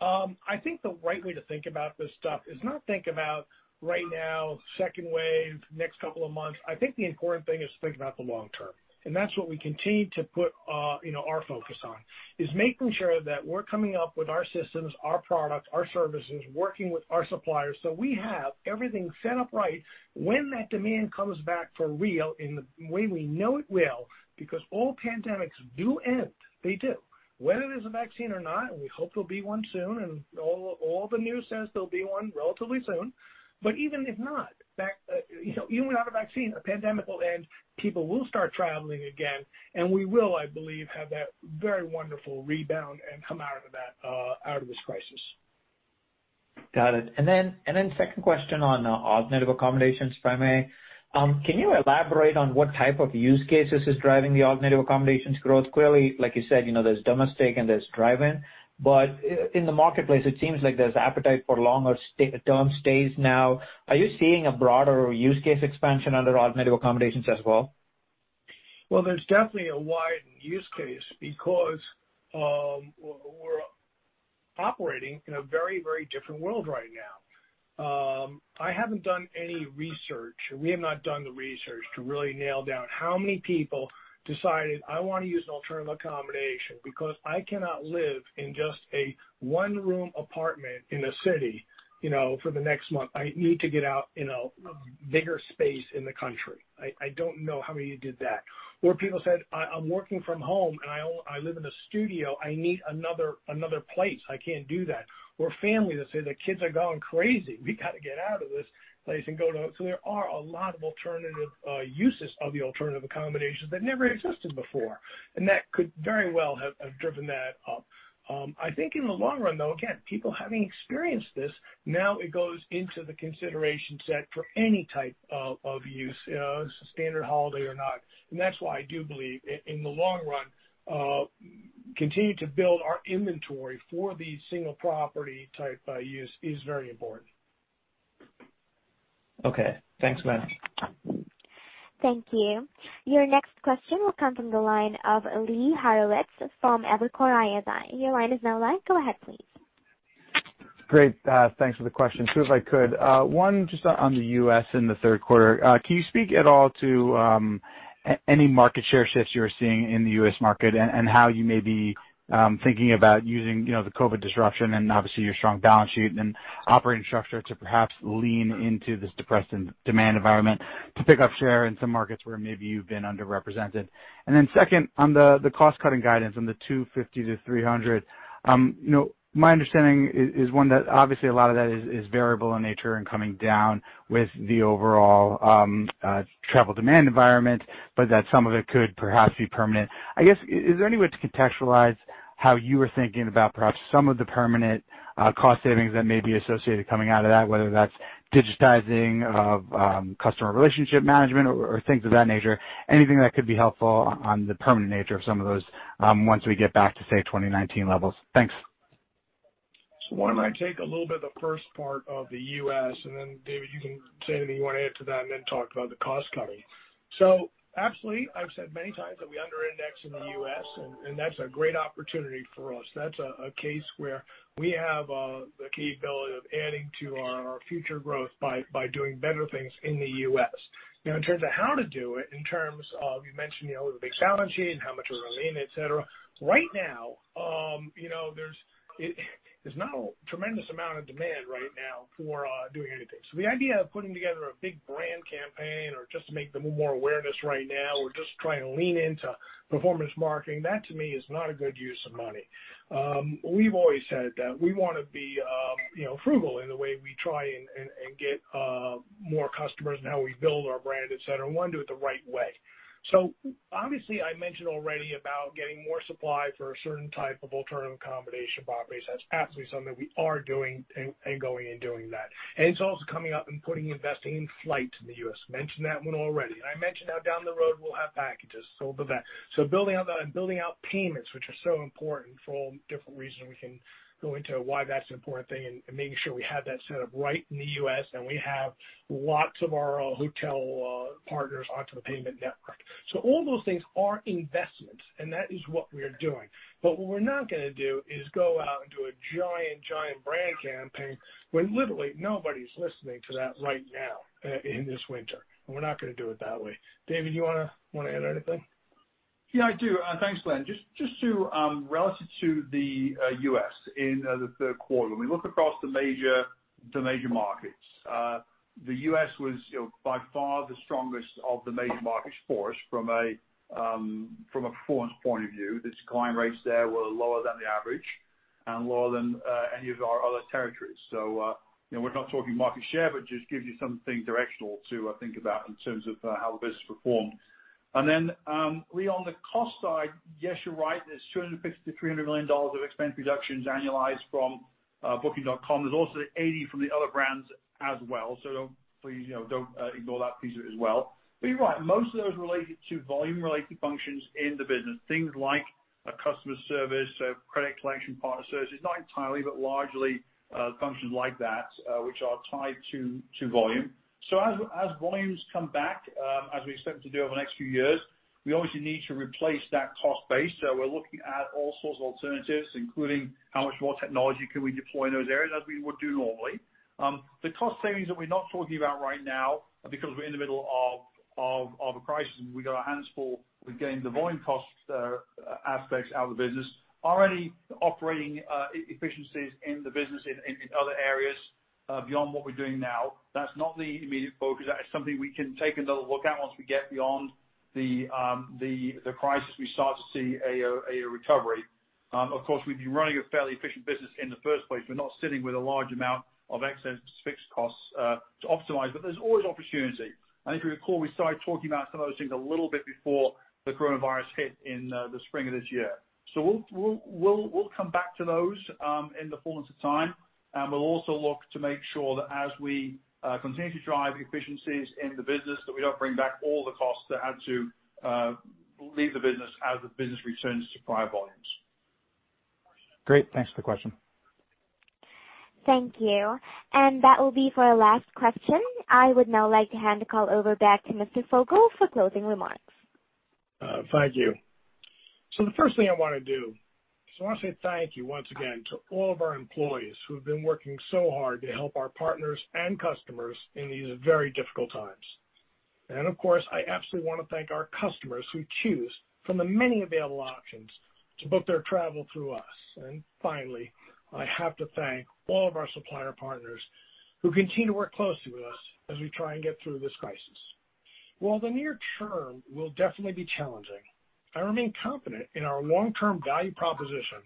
I think the right way to think about this stuff is not think about right now, second wave, next couple of months. I think the important thing is to think about the long term, and that's what we continue to put our focus on, is making sure that we're coming up with our systems, our products, our services, working with our suppliers so we have everything set up right when that demand comes back for real in the way we know it will, because all pandemics do end. They do. Whether there's a vaccine or not, and we hope there'll be one soon, and all the news says there'll be one relatively soon. Even if not, even without a vaccine, a pandemic will end, people will start traveling again, and we will, I believe, have that very wonderful rebound and come out of this crisis. Got it. Then second question on alternative accommodations, if I may. Can you elaborate on what type of use cases is driving the alternative accommodations growth? Clearly, like you said, there's domestic and there's drive-in, but in the marketplace it seems like there's appetite for longer-term stays now. Are you seeing a broader use case expansion under alternative accommodations as well? There's definitely a widened use case because we're operating in a very different world right now. I haven't done any research. We have not done the research to really nail down how many people decided, "I want to use an alternative accommodation because I cannot live in just a one-room apartment in the city for the next month." I need to get out in a bigger space in the country. I don't know how many did that. People said, "I'm working from home and I live in a studio." I need another place. I can't do that. Families that say, "The kids are going crazy." There are a lot of alternative uses of the alternative accommodations that never existed before, and that could very well have driven that up. I think in the long run though, again, people having experienced this, now it goes into the consideration set for any type of use, standard holiday or not. That's why I do believe I in the long run, continuing to build our inventory for the single property type use is very important. Okay. Thanks, Glenn. Thank you. Your next question will come from the line of Lee Horowitz from Evercore ISI. Your line is now live. Go ahead, please. Great. Thanks for the question. Two if I could. One just on the U.S. and the third quarter. Can you speak at all to any market share shifts you're seeing in the U.S. market and how you may be thinking about using the COVID disruption and obviously your strong balance sheet and operating structure to perhaps lean into this depressed demand environment to pick up share in some markets where maybe you've been underrepresented? Second, on the cost-cutting guidance on the $250 million-$300 million, my understanding is one that obviously a lot of that is variable in nature and coming down with the overall travel demand environment, but that some of it could perhaps be permanent. I guess, is there any way to contextualize how you are thinking about perhaps some of the permanent cost savings that may be associated coming out of that, whether that's digitizing of customer relationship management or things of that nature? Anything that could be helpful on the permanent nature of some of those once we get back to, say, 2019 levels? Thanks. I might take a little bit of the first part of the U.S., and then David, you can say to me you want to add to that and then talk about the cost cutting. Absolutely. I've said many times that we under-index in the U.S. and that's a great opportunity for us. That's a case where we have the capability of adding to our future growth by doing better things in the U.S. Now, in terms of how to do it in terms of, you mentioned the big balance sheet and how much we're going to lean in, et cetera. Right now, there's not a tremendous amount of demand right now for doing anything. The idea of putting together a big brand campaign or just to make more awareness right now or just trying to lean into performance marketing, that to me is not a good use of money. We've always said that we want to be frugal in the way we try and get more customers and how we build our brand, et cetera. We want to do it the right way. Obviously I mentioned already about getting more supply for a certain type of alternative accommodation properties. That's absolutely something we are doing and doing that. It's also coming up and putting investing in flight to the U.S. Mentioned that one already. I mentioned how down the road we'll have packages. We'll do that. Building out payments, which are so important for all different reasons. We can go into why that's an important thing and making sure we have that set up right in the U.S. and we have lots of our hotel partners onto the payment network. All those things are investments and that is what we are doing. What we're not going to do is go out and do a giant brand campaign when literally nobody's listening to that right now in this winter, and we're not going to do it that way. David, you want to add anything? Yeah, I do. Thanks, Glenn. Relative to the U.S. in the third quarter, when we look across the major markets. The U.S. was by far the strongest of the major markets for us from a performance point of view. Its decline rates there were lower than the average and lower than any of our other territories. We're not talking market share, but just gives you something directional to think about in terms of how the business performed. Lee, on, the cost side, yes, you're right, there's $250 million-$300 million of expense reductions annualized from Booking.com. There's also $80 million from the other brands as well, please don't ignore that piece as well. You're right. Most of those related to volume-related functions in the business, things like customer service, credit collection, partner services. Not entirely, but largely functions like that which are tied to volume. As volumes come back, as we expect them to do over the next few years, we obviously need to replace that cost base. We're looking at all sorts of alternatives, including how much more technology can we deploy in those areas, as we would do normally. The cost savings that we're not talking about right now are because we're in the middle of a crisis, and we've got our hands full with getting the volume cost aspects out of the business. Already operating efficiencies in the business in other areas beyond what we're doing now, that's not the immediate focus. That is something we can take another look at once we get beyond the crisis, we start to see a recovery. Of course, we've been running a fairly efficient business in the first place. We're not sitting with a large amount of excess fixed costs to optimize, but there's always opportunity. If you recall, we started talking about some of those things a little bit before the coronavirus hit in the spring of this year. We'll come back to those in the fullness of time, and we'll also look to make sure that as we continue to drive efficiencies in the business, that we don't bring back all the costs that had to leave the business as the business returns to prior volumes. Great. Thanks for the question. Thank you. That will be for our last question. I would now like to hand the call over back to Mr. Fogel for closing remarks. Thank you. The first thing I want to do is I want to say thank you once again to all of our employees who have been working so hard to help our partners and customers in these very difficult times. Of course, I absolutely want to thank our customers who choose from the many available options to book their travel through us. Finally, I have to thank all of our supplier partners who continue to work closely with us as we try and get through this crisis. While the near term will definitely be challenging, I remain confident in our long-term value proposition,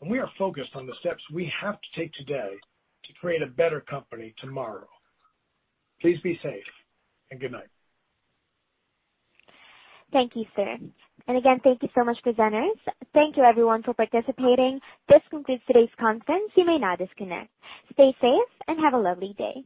and we are focused on the steps we have to take today to create a better company tomorrow. Please be safe, and good night. Thank you, sir. Again, thank you so much, presenters. Thank you everyone for participating. This concludes today's conference. You may now disconnect. Stay safe and have a lovely day.